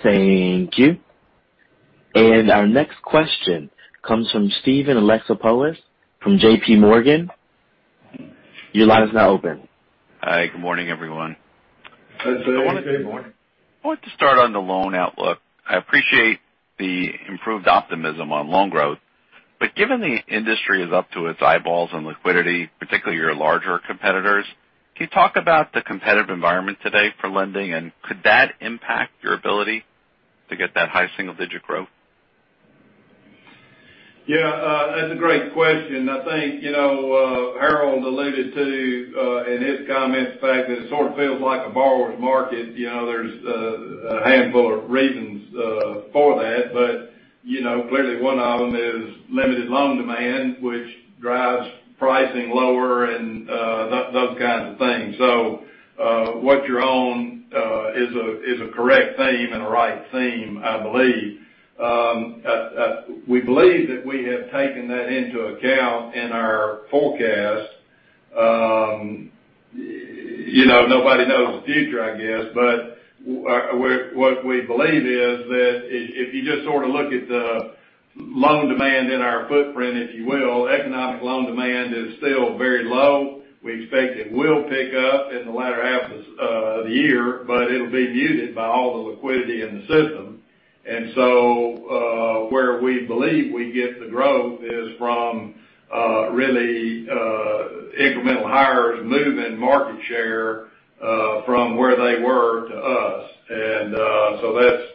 Great. Okay. Thank you. Thank you. Our next question comes from Steven Alexopoulos from JPMorgan. Your line is now open. Hi. Good morning, everyone. Good morning. I want to start on the loan outlook. I appreciate the improved optimism on loan growth, but given the industry is up to its eyeballs on liquidity, particularly your larger competitors, can you talk about the competitive environment today for lending, and could that impact your ability to get that high single-digit growth? Yeah. That's a great question. I think, you know, Harold alluded to, in his comments, the fact that it sort of feels like a borrower's market. There's a handful of reasons for that, but clearly one of them is limited loan demand, which drives pricing lower and those kinds of things. What you're on is a correct theme and a right theme, I believe. We believe that we have taken that into account in our forecast. Nobody knows the future, I guess. What we believe is that if you just sort of look at the loan demand in our footprint, if you will, economic loan demand is still very low. We expect it will pick up in the latter half of the year, but it'll be muted by all the liquidity in the system. Where we believe we get the growth is from really incremental hires moving market share from where they were to us.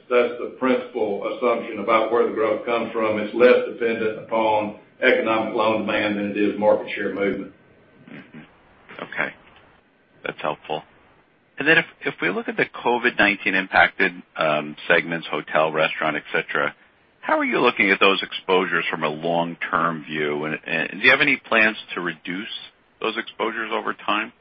That's the principal assumption about where the growth comes from. It's less dependent upon economic loan demand than it is market share movement. Okay. That's helpful. Then, if we look at the COVID-19 impacted segments, hotel, restaurant, et cetera, how are you looking at those exposures from a long-term view? Do you have any plans to reduce those exposures over time?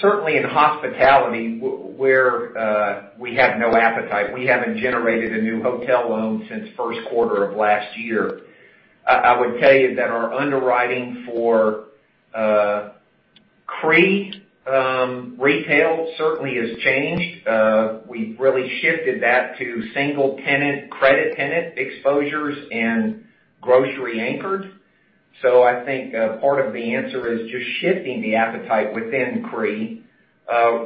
Certainly, in hospitality, where we have no appetite. We haven't generated a new hotel loan since first quarter of last year. I would tell you that our underwriting for CRE retail certainly has changed. We've really shifted that to single tenant, credit tenant exposures and grocery anchored. I think part of the answer is just shifting the appetite within CRE.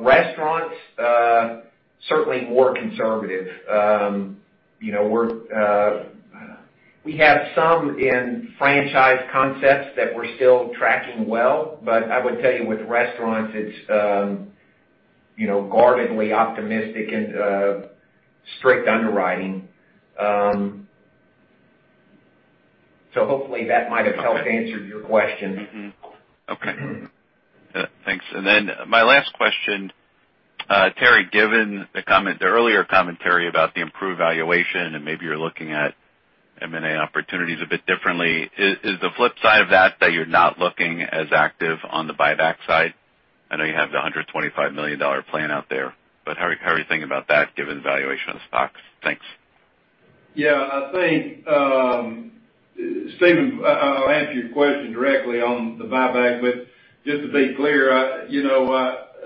Restaurants, certainly more conservative. We have some in franchise concepts that we're still tracking well, but I would tell you with restaurants, it's guardedly optimistic and strict underwriting. Hopefully that might have helped answer your question. Okay. Thanks. My last question, Terry, given the earlier commentary about the improved valuation, and maybe you're looking at M&A opportunities a bit differently, is the flip side of that that you're not looking as active on the buyback side? I know you have the $125 million plan out there, how are you thinking about that given the valuation of the stocks? Thanks. Yeah. Steven, I'll answer your question directly on the buyback, but just to be clear,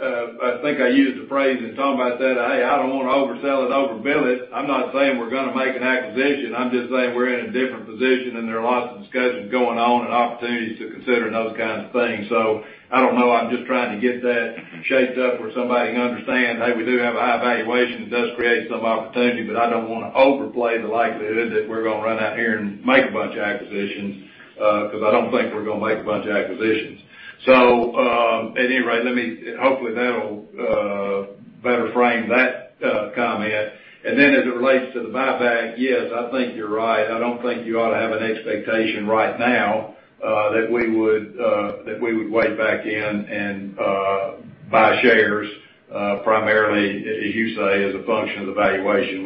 I think I used the phrase and talked about that, I don't want to oversell it and overbill it. I'm not saying we're going to make an acquisition. I'm just saying we're in a different position, and there are lots of discussions going on and opportunities to consider and those kinds of things. I don't know. I'm just trying to get that shaped up where somebody can understand, hey, we do have a high valuation. It does create some opportunity, but I don't want to overplay the likelihood that we're going to run out here and make a bunch of acquisitions, because I don't think we're going to make a bunch of acquisitions. At any rate, hopefully, that'll better frame that comment. As it relates to the buyback, yes, I think you're right. I don't think you ought to have an expectation right now, that we would wade back in and buy shares, primarily, as you say, as a function of the valuation.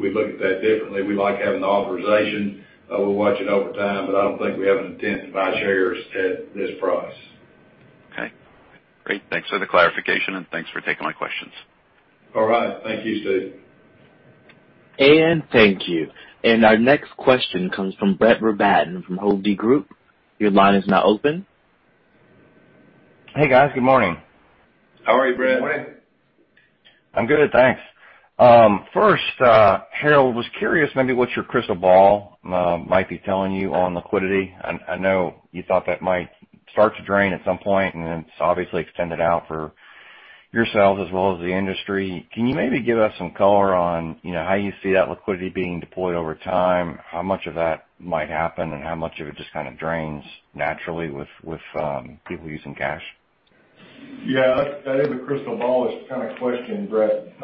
We look at that differently. We like having the authorization. We'll watch it over time, but I don't think we have an intent to buy shares at this price. Okay. Great. Thanks for the clarification and thanks for taking my questions. All right. Thank you, Steven. Thank you. Our next question comes from Brett Rabatin from Hovde Group. Your line is now open. Hey, guys. Good morning. How are you, Brett? Good morning. I'm good, thanks. First, Harold, was curious maybe what your crystal ball might be telling you on liquidity. I know you thought that might start to drain at some point, and it's obviously extended out for yourselves as well as the industry. Can you maybe give us some color on how you see that liquidity being deployed over time, how much of that might happen, and how much of it just kind of drains naturally with people using cash? Yeah, that is a crystal ballish kind of question, Brett.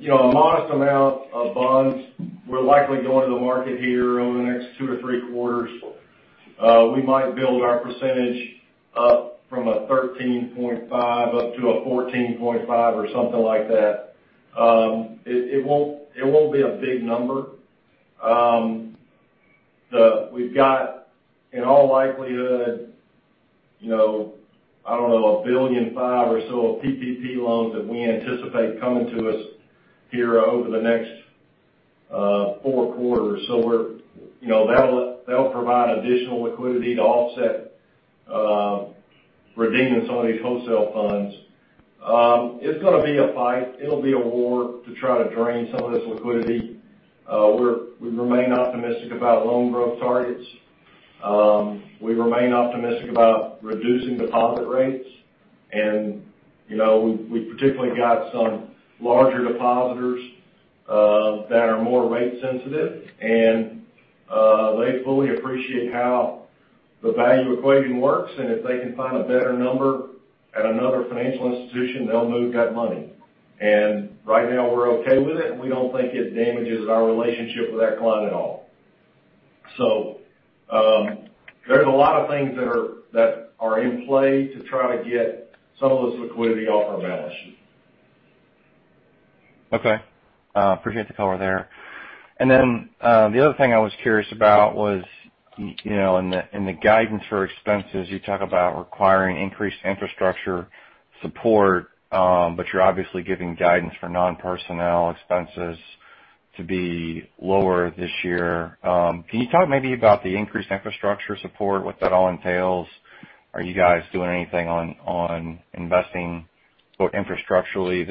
A modest amount of bonds will likely go into the market here over the next two or three quarters. We might build our percentage up from a 13.5% up to a 14.5% or something like that. It won't be a big number. We've got, in all likelihood, I don't know, a $1.5 billion or so of PPP loans that we anticipate coming to us here over the next four quarters. That'll provide additional liquidity to offset redeeming some of these wholesale funds. It's going to be a fight. It'll be a war to try to drain some of this liquidity. We remain optimistic about loan growth targets. We remain optimistic about reducing deposit rates, and we've particularly got some larger depositors that are more rate sensitive. They fully appreciate how the value equation works, and if they can find a better number at another financial institution, they'll move that money. Right now, we're okay with it, and we don't think it damages our relationship with that client at all. There's a lot of things that are in play to try to get some of this liquidity off our balance sheet. Okay. Appreciate the color there. The other thing I was curious about was, in the guidance for expenses, you talk about requiring increased infrastructure support, but you're obviously giving guidance for non-personnel expenses to be lower this year. Can you talk maybe about the increased infrastructure support, what that all entails? Are you guys doing anything on investing infrastructurally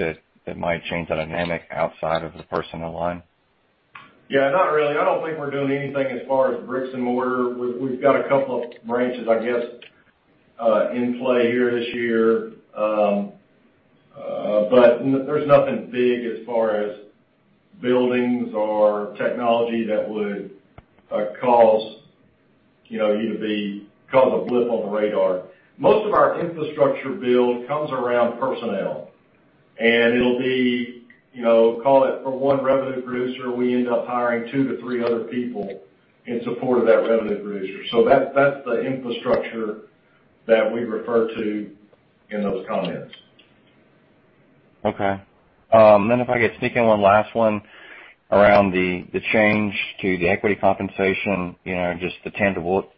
that might change the dynamic outside of the personnel line? Yeah, not really. I don't think we're doing anything as far as bricks and mortar. We've got a couple of branches, I guess, in play here this year. There's nothing big as far as buildings or technology that would cause you to be called a blip on the radar. Most of our infrastructure build comes around personnel, and it'll be, call it for one revenue producer, we end up hiring two to three other people in support of that revenue producer. That's the infrastructure that we refer to in those comments. Okay. If I could sneak in one last one around the change to the equity compensation, just the tangible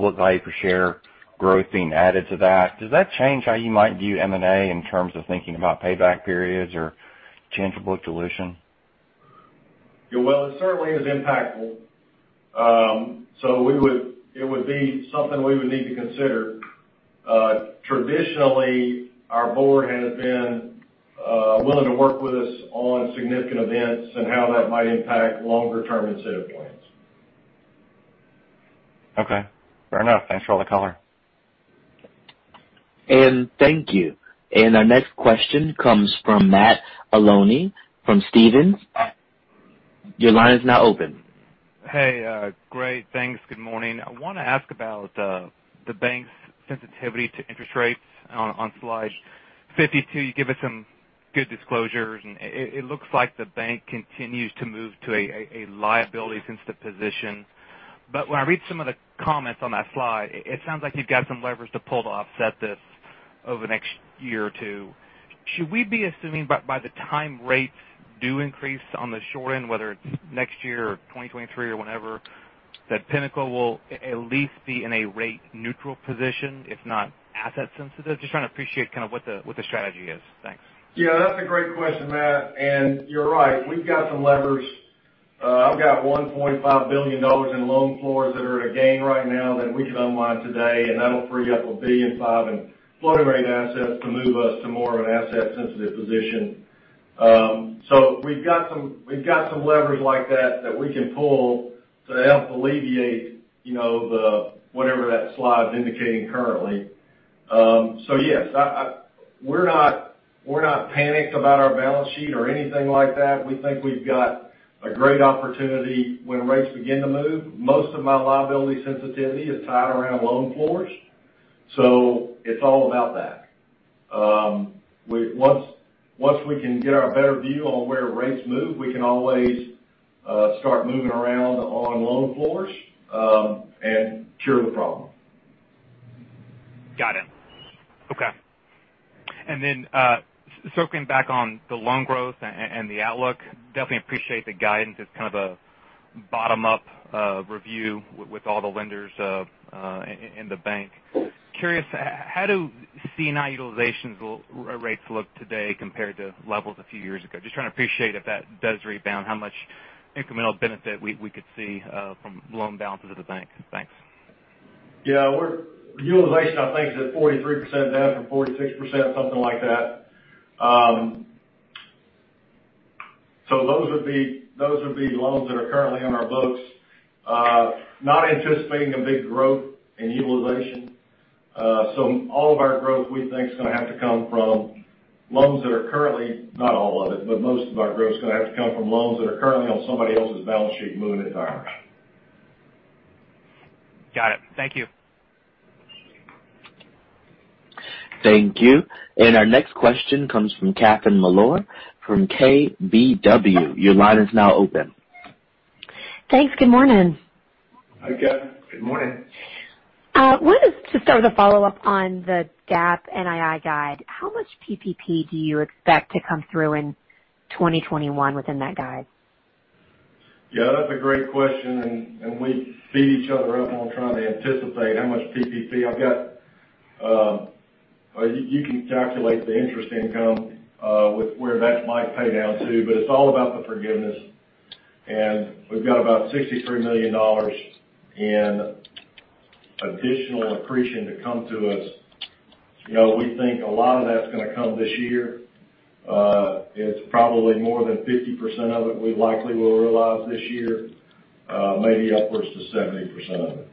book value per share growth being added to that. Does that change how you might view M&A in terms of thinking about payback periods or tangible dilution? Well, it certainly is impactful. It would be something we would need to consider. Traditionally, our board has been willing to work with us on significant events and how that might impact longer term incentive plans. Okay. Fair enough. Thanks for all the color. Thank you. Our next question comes from Matt Olney from Stephens. Your line is now open. Hey, great, thanks. Good morning. I want to ask about the bank's sensitivity to interest rates. On slide 52, you give us some good disclosures. It looks like the bank continues to move to a liability-sensitive position, but when I read some of the comments on that slide, it sounds like you've got some levers to pull to offset this over the next year or two. Should we be assuming by the time rates do increase on the short end, whether it's next year or 2023 or whenever, that Pinnacle will at least be in a rate neutral position if not asset sensitive? Just trying to appreciate kind of what the strategy is. Thanks. Yeah, that's a great question, Matt. You're right, we've got some levers. I've got $1.5 billion in loan floors that are at a gain right now that we can unwind today, and that'll free up $1.5 billion in floating rate assets to move us to more of an asset sensitive position. We've got some levers like that that we can pull to help alleviate whatever that slide is indicating currently. Yes, we're not panicked about our balance sheet or anything like that. We think we've got a great opportunity when rates begin to move. Most of my liability sensitivity is tied around loan floors. It's all about that. Once we can get a better view on where rates move, we can always start moving around on loan floors, and cure the problem. Got it. Okay. Circling back on the loan growth and the outlook, definitely appreciate the guidance as kind of a bottom-up review with all the lenders in the bank. Curious, how do C&I utilizations rates look today compared to levels a few years ago? Just trying to appreciate if that does rebound, how much incremental benefit we could see from loan balances at the bank. Thanks. Yeah. Utilization, I think, is at 43% now from 46%, something like that. Those would be loans that are currently on our books. Not anticipating a big growth in utilization. All of our growth we think is going to have to come from loans that are currently, not all of it, but most of our growth is going to have to come from loans that are currently on somebody else's balance sheet moving to ours. Got it. Thank you. Thank you. Our next question comes from Catherine Mealor from KBW. Your line is now open. Thanks. Good morning. Hi, Catherine. Good morning. Wanted to just a follow-up on the GAAP NII guide. How much PPP do you expect to come through in 2021 within that guide? Yeah, that's a great question, and we see each other up and probably anticipate how much PPP I've got. You can calculate the interest income, with where that might pay down to, but it's all about the forgiveness. We've got about $63 million in additional accretion to come to us. We think a lot of that's going to come this year. It's probably more than 50% of it we likely will realize this year, maybe upwards to 70% of it.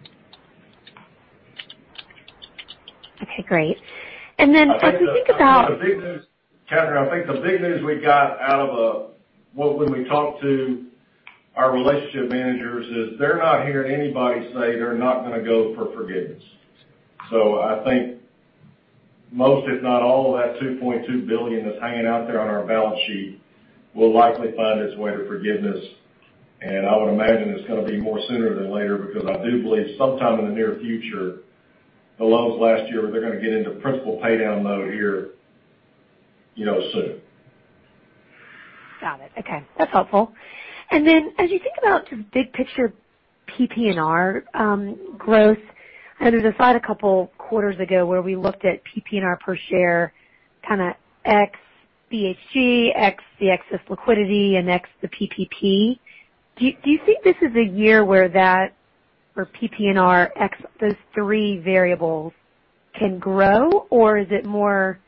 Okay, great and then as we think about... Catherine, I think the big news we got out of a -- when we talked to our relationship managers is they're not hearing anybody say they're not going to go for forgiveness. I think most, if not all, of that $2.2 billion that's hanging out there on our balance sheet will likely find its way to forgiveness. I would imagine it's going to be more sooner than later because I do believe sometime in the near future, the loans last year, they're going to get into principal paydown mode here soon. Got it. Okay. That's helpful. Then, as you think about big picture PPNR growth, I know there's a slide a couple quarters ago where we looked at PPNR per share, kind of ex BHG, ex the excess liquidity, and ex the PPP. Do you think this is a year where that, where PPNR ex those three variables can grow, or is it more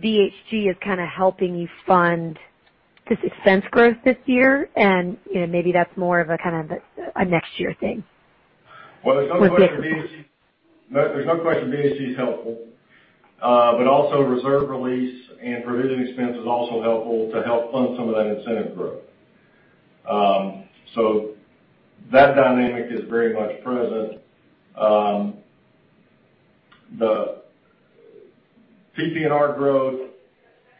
BHG is kind of helping you fund this expense growth this year, and maybe that's more of a next year thing? There's no question BHG is helpful. Also reserve release and provision expense is also helpful to help fund some of that incentive growth. That dynamic is very much present. The PPNR growth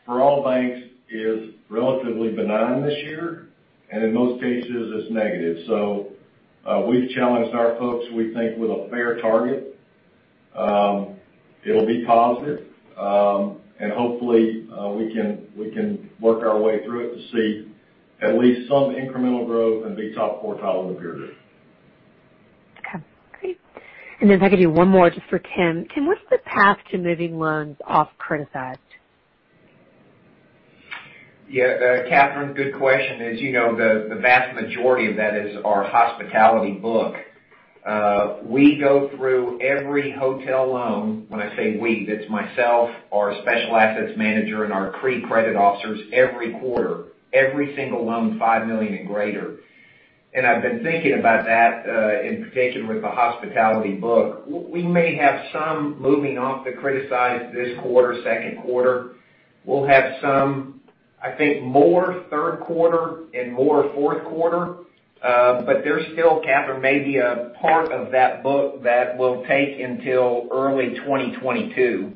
for all banks is relatively benign this year, and in most cases, it's negative. We've challenged our folks, we think with a fair target. It'll be positive. Hopefully, we can work our way through it to see at least some incremental growth in the top quartile in the period. Then if I could do one more just for Tim. Tim, what's the path to moving loans off criticized? Yeah, Catherine, good question. As you know, the vast majority of that is our hospitality book. We go through every hotel loan. When I say we, that's myself, our special assets manager, and our CRE credit officers every quarter, every single loan, $5 million and greater. I've been thinking about that in particular with the hospitality book. We may have some moving off the criticized this quarter, second quarter. We'll have some, I think, more third quarter and more fourth quarter. There's still, Catherine, maybe a part of that book that will take until early 2022.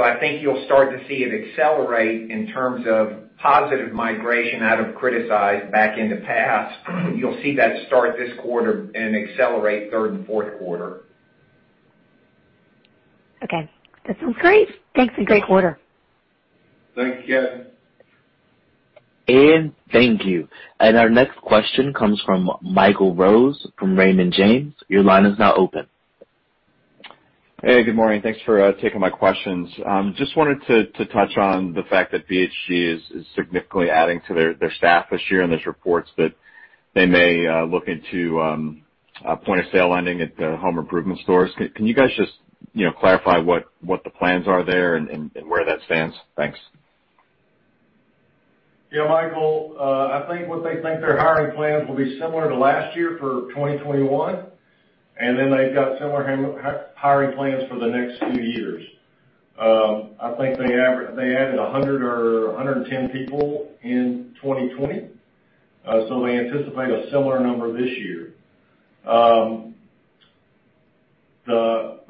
I think you'll start to see it accelerate in terms of positive migration out of criticized back to pass. You'll see that start this quarter and accelerate third and fourth quarter. Okay. That sounds great. Thanks, great quarter. Thanks, Catherine. Thank you. Our next question comes from Michael Rose from Raymond James. Your line is now open. Hey, good morning. Thanks for taking my questions. Just wanted to touch on the fact that BHG is significantly adding to their staff this year. There's reports that they may look into point-of-sale lending at the home improvement stores. Can you guys just clarify what the plans are there and where that stands? Thanks. Yeah, Michael, I think what they think their hiring plans will be similar to last year for 2021, and then they've got similar hiring plans for the next few years. I think they added 100 or 110 people in 2020, so they anticipate a similar number this year. The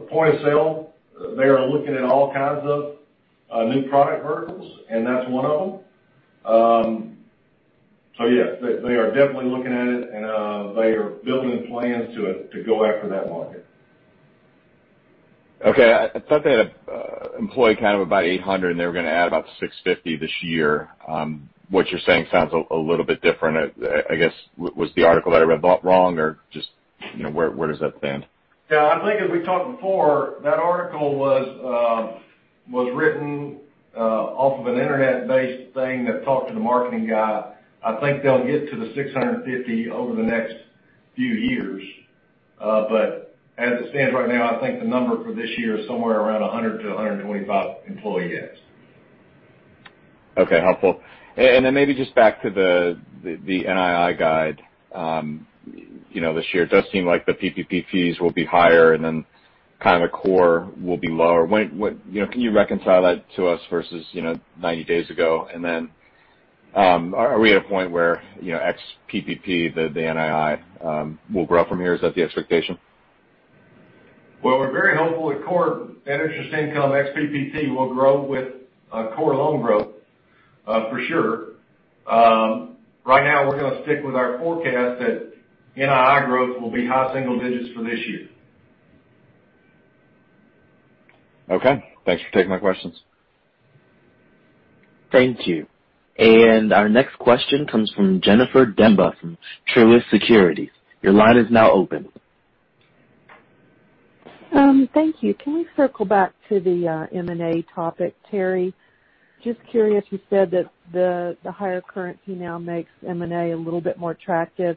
point of sale, they are looking at all kinds of new product verticals, and that's one of them. Yes, they are definitely looking at it, and they are building plans to go after that market. Okay. I thought they had employed kind of about 800, and they were going to add about 650 this year. What you're saying sounds a little bit different. I guess, was the article that I read wrong or just where does that stand? Yeah, I think as we talked before, that article was written off of an Internet-based thing that talked to the marketing guy. I think they'll get to the 650 over the next few years, but as it stands right now, I think the number for this year is somewhere around 100 to 125 employee adds. Okay, helpful. Maybe just back to the NII guide. This year, it does seem like the PPP fees will be higher and then kind of the core will be lower. Can you reconcile that to us versus 90 days ago? Are we at a point where ex PPP, the NII will grow from here? Is that the expectation? Well, we're very hopeful that core net interest income, ex PPP, will grow with core loan growth, for sure. Right now, we're going to stick with our forecast that NII growth will be high single digits for this year. Okay. Thanks for taking my questions. Thank you. Our next question comes from Jennifer Demba from Truist Securities. Your line is now open. Thank you. Can we circle back to the M&A topic, Terry? Just curious, you said that the higher currency now makes M&A a little bit more attractive.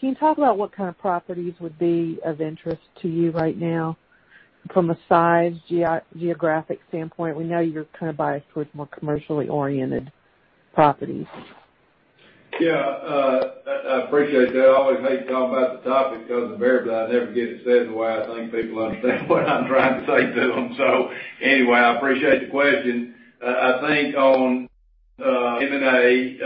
Can you talk about what kind of properties would be of interest to you right now from a size, geographic standpoint? We know you're kind of biased towards more commercially oriented properties. Yeah. I appreciate that. I always hate talking about the topic because invariably I never get it said in the way I think people understand what I'm trying to say to them. Anyway, I appreciate the question. I think on M&A,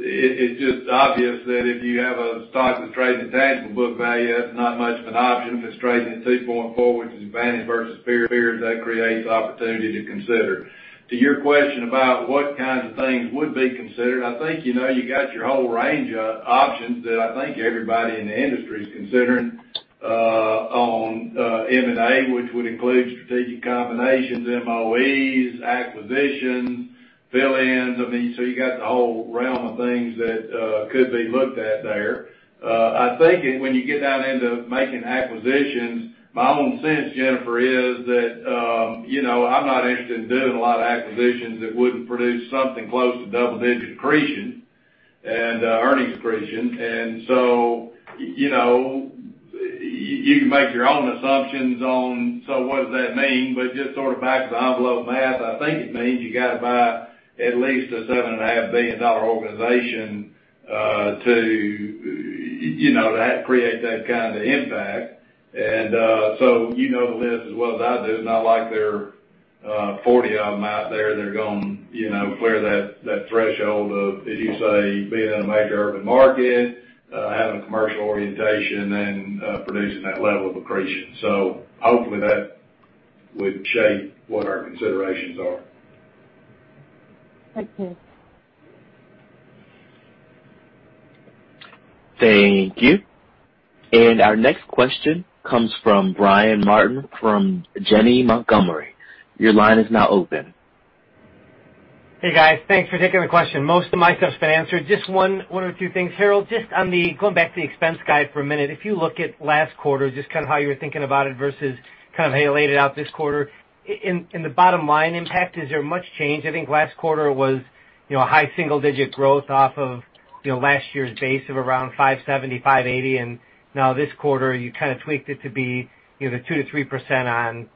it's just obvious that if you have a stock that's trading at tangible book value, that's not much of an option, but it's trading at 2.4, which is advantage versus fear. That creates opportunity to consider. To your question about what kinds of things would be considered, I think, you got your whole range of options that I think everybody in the industry is considering, on M&A, which would include strategic combinations, MOEs, acquisitions, fill-ins. You got the whole realm of things that could be looked at there. I think when you get down into making acquisitions, my own sense, Jennifer, is that, I'm not interested in doing a lot of acquisitions that wouldn't produce something close to double-digit accretion and earnings accretion. You can make your own assumptions on, so what does that mean? Just sort of back of the envelope math, I think it means you got to buy at least a $7.5 billion organization to create that kind of impact. You know the list as well as I do. It's not like there are 40 of them out there that are going to clear that threshold of, as you say, being in a major urban market, having commercial orientation, and producing that level of accretion. Hopefully, that would shape what our considerations are. Thanks, Terry. Thank you. Our next question comes from Brian Martin from Janney Montgomery Scott. Hey guys, thanks for taking the question. Most of my stuff's been answered. Just one or two things. Harold, just going back to the expense guide for a minute. If you look at last quarter, just kind of how you were thinking about it versus how you laid it out this quarter. In the bottom line impact, is there much change? I think last quarter was high single-digit growth off of last year's base of around 5.70%, 5.80%, and now this quarter, you tweaked it to be the 2%-3%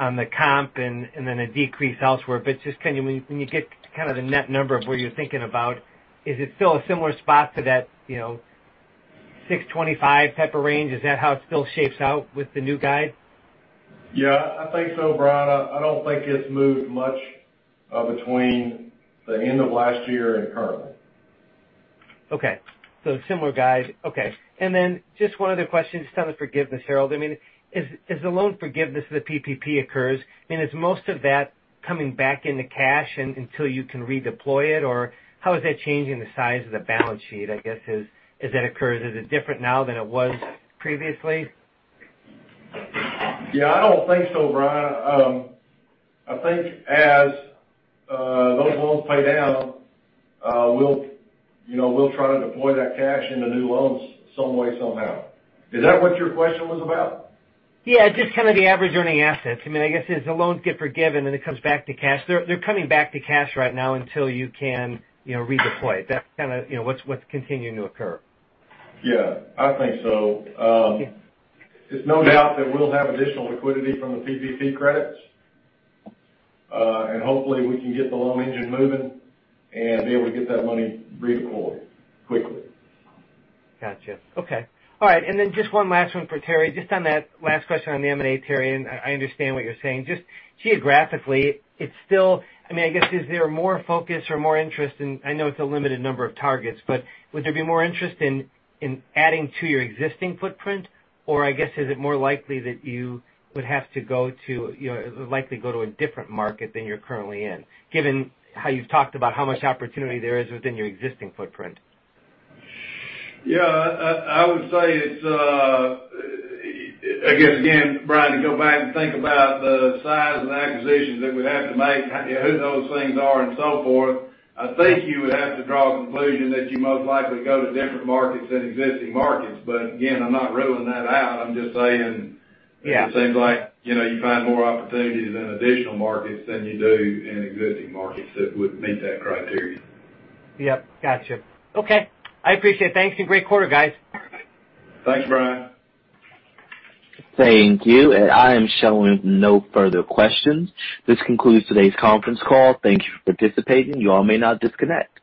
on the comp and then a decrease elsewhere. Just can you get the net number of what you're thinking about? Is it still a similar spot to that 6.25% type of range? Is that how it still shapes out with the new guide? Yeah, I think so, Brian. I don't think it's moved much between the end of last year and currently. Okay. Similar guide. Okay. Just one other question, just on the forgiveness, Harold. As the loan forgiveness of the PPP occurs, is most of that coming back into cash until you can redeploy it? Or how is that changing the size of the balance sheet, I guess, as that occurs? Is it different now than it was previously? Yeah, I don't think so, Brian. I think as those loans pay down, we'll try to deploy that cash into new loans some way, somehow. Is that what your question was about? Yeah, just kind of the average earning assets. I guess as the loans get forgiven and it comes back to cash, they're coming back to cash right now until you can redeploy it. That's what's continuing to occur. Yeah, I think so. Yeah. There's no doubt that we'll have additional liquidity from the PPP credits. Hopefully, we can get the loan engine moving and be able to get that money redeployed quickly. Got you. Okay. All right. Just one last one for Terry, just on that last question on the M&A, Terry, and I understand what you're saying. Just geographically, is there more focus or more interest in, I know it's a limited number of targets, but would there be more interest in adding to your existing footprint? Or I guess is it more likely that you would likely go to a different market than you're currently in, given how you've talked about how much opportunity there is within your existing footprint? Yeah. I would say, again, Brian, to go back and think about the size of the acquisitions that we'd have to make, who those things are and so forth, I think you would have to draw a conclusion that you'd most likely go to different markets than existing markets. Again, I'm not ruling that out. I'm just saying. Yeah It seems like you find more opportunities in additional markets than you do in existing markets that would meet that criteria. Yep, got you. Okay. I appreciate it. Thanks, and great quarter, guys. Thanks, Brian. Thank you. I am showing no further questions. This concludes today's conference call. Thank you for participating. You all may now disconnect.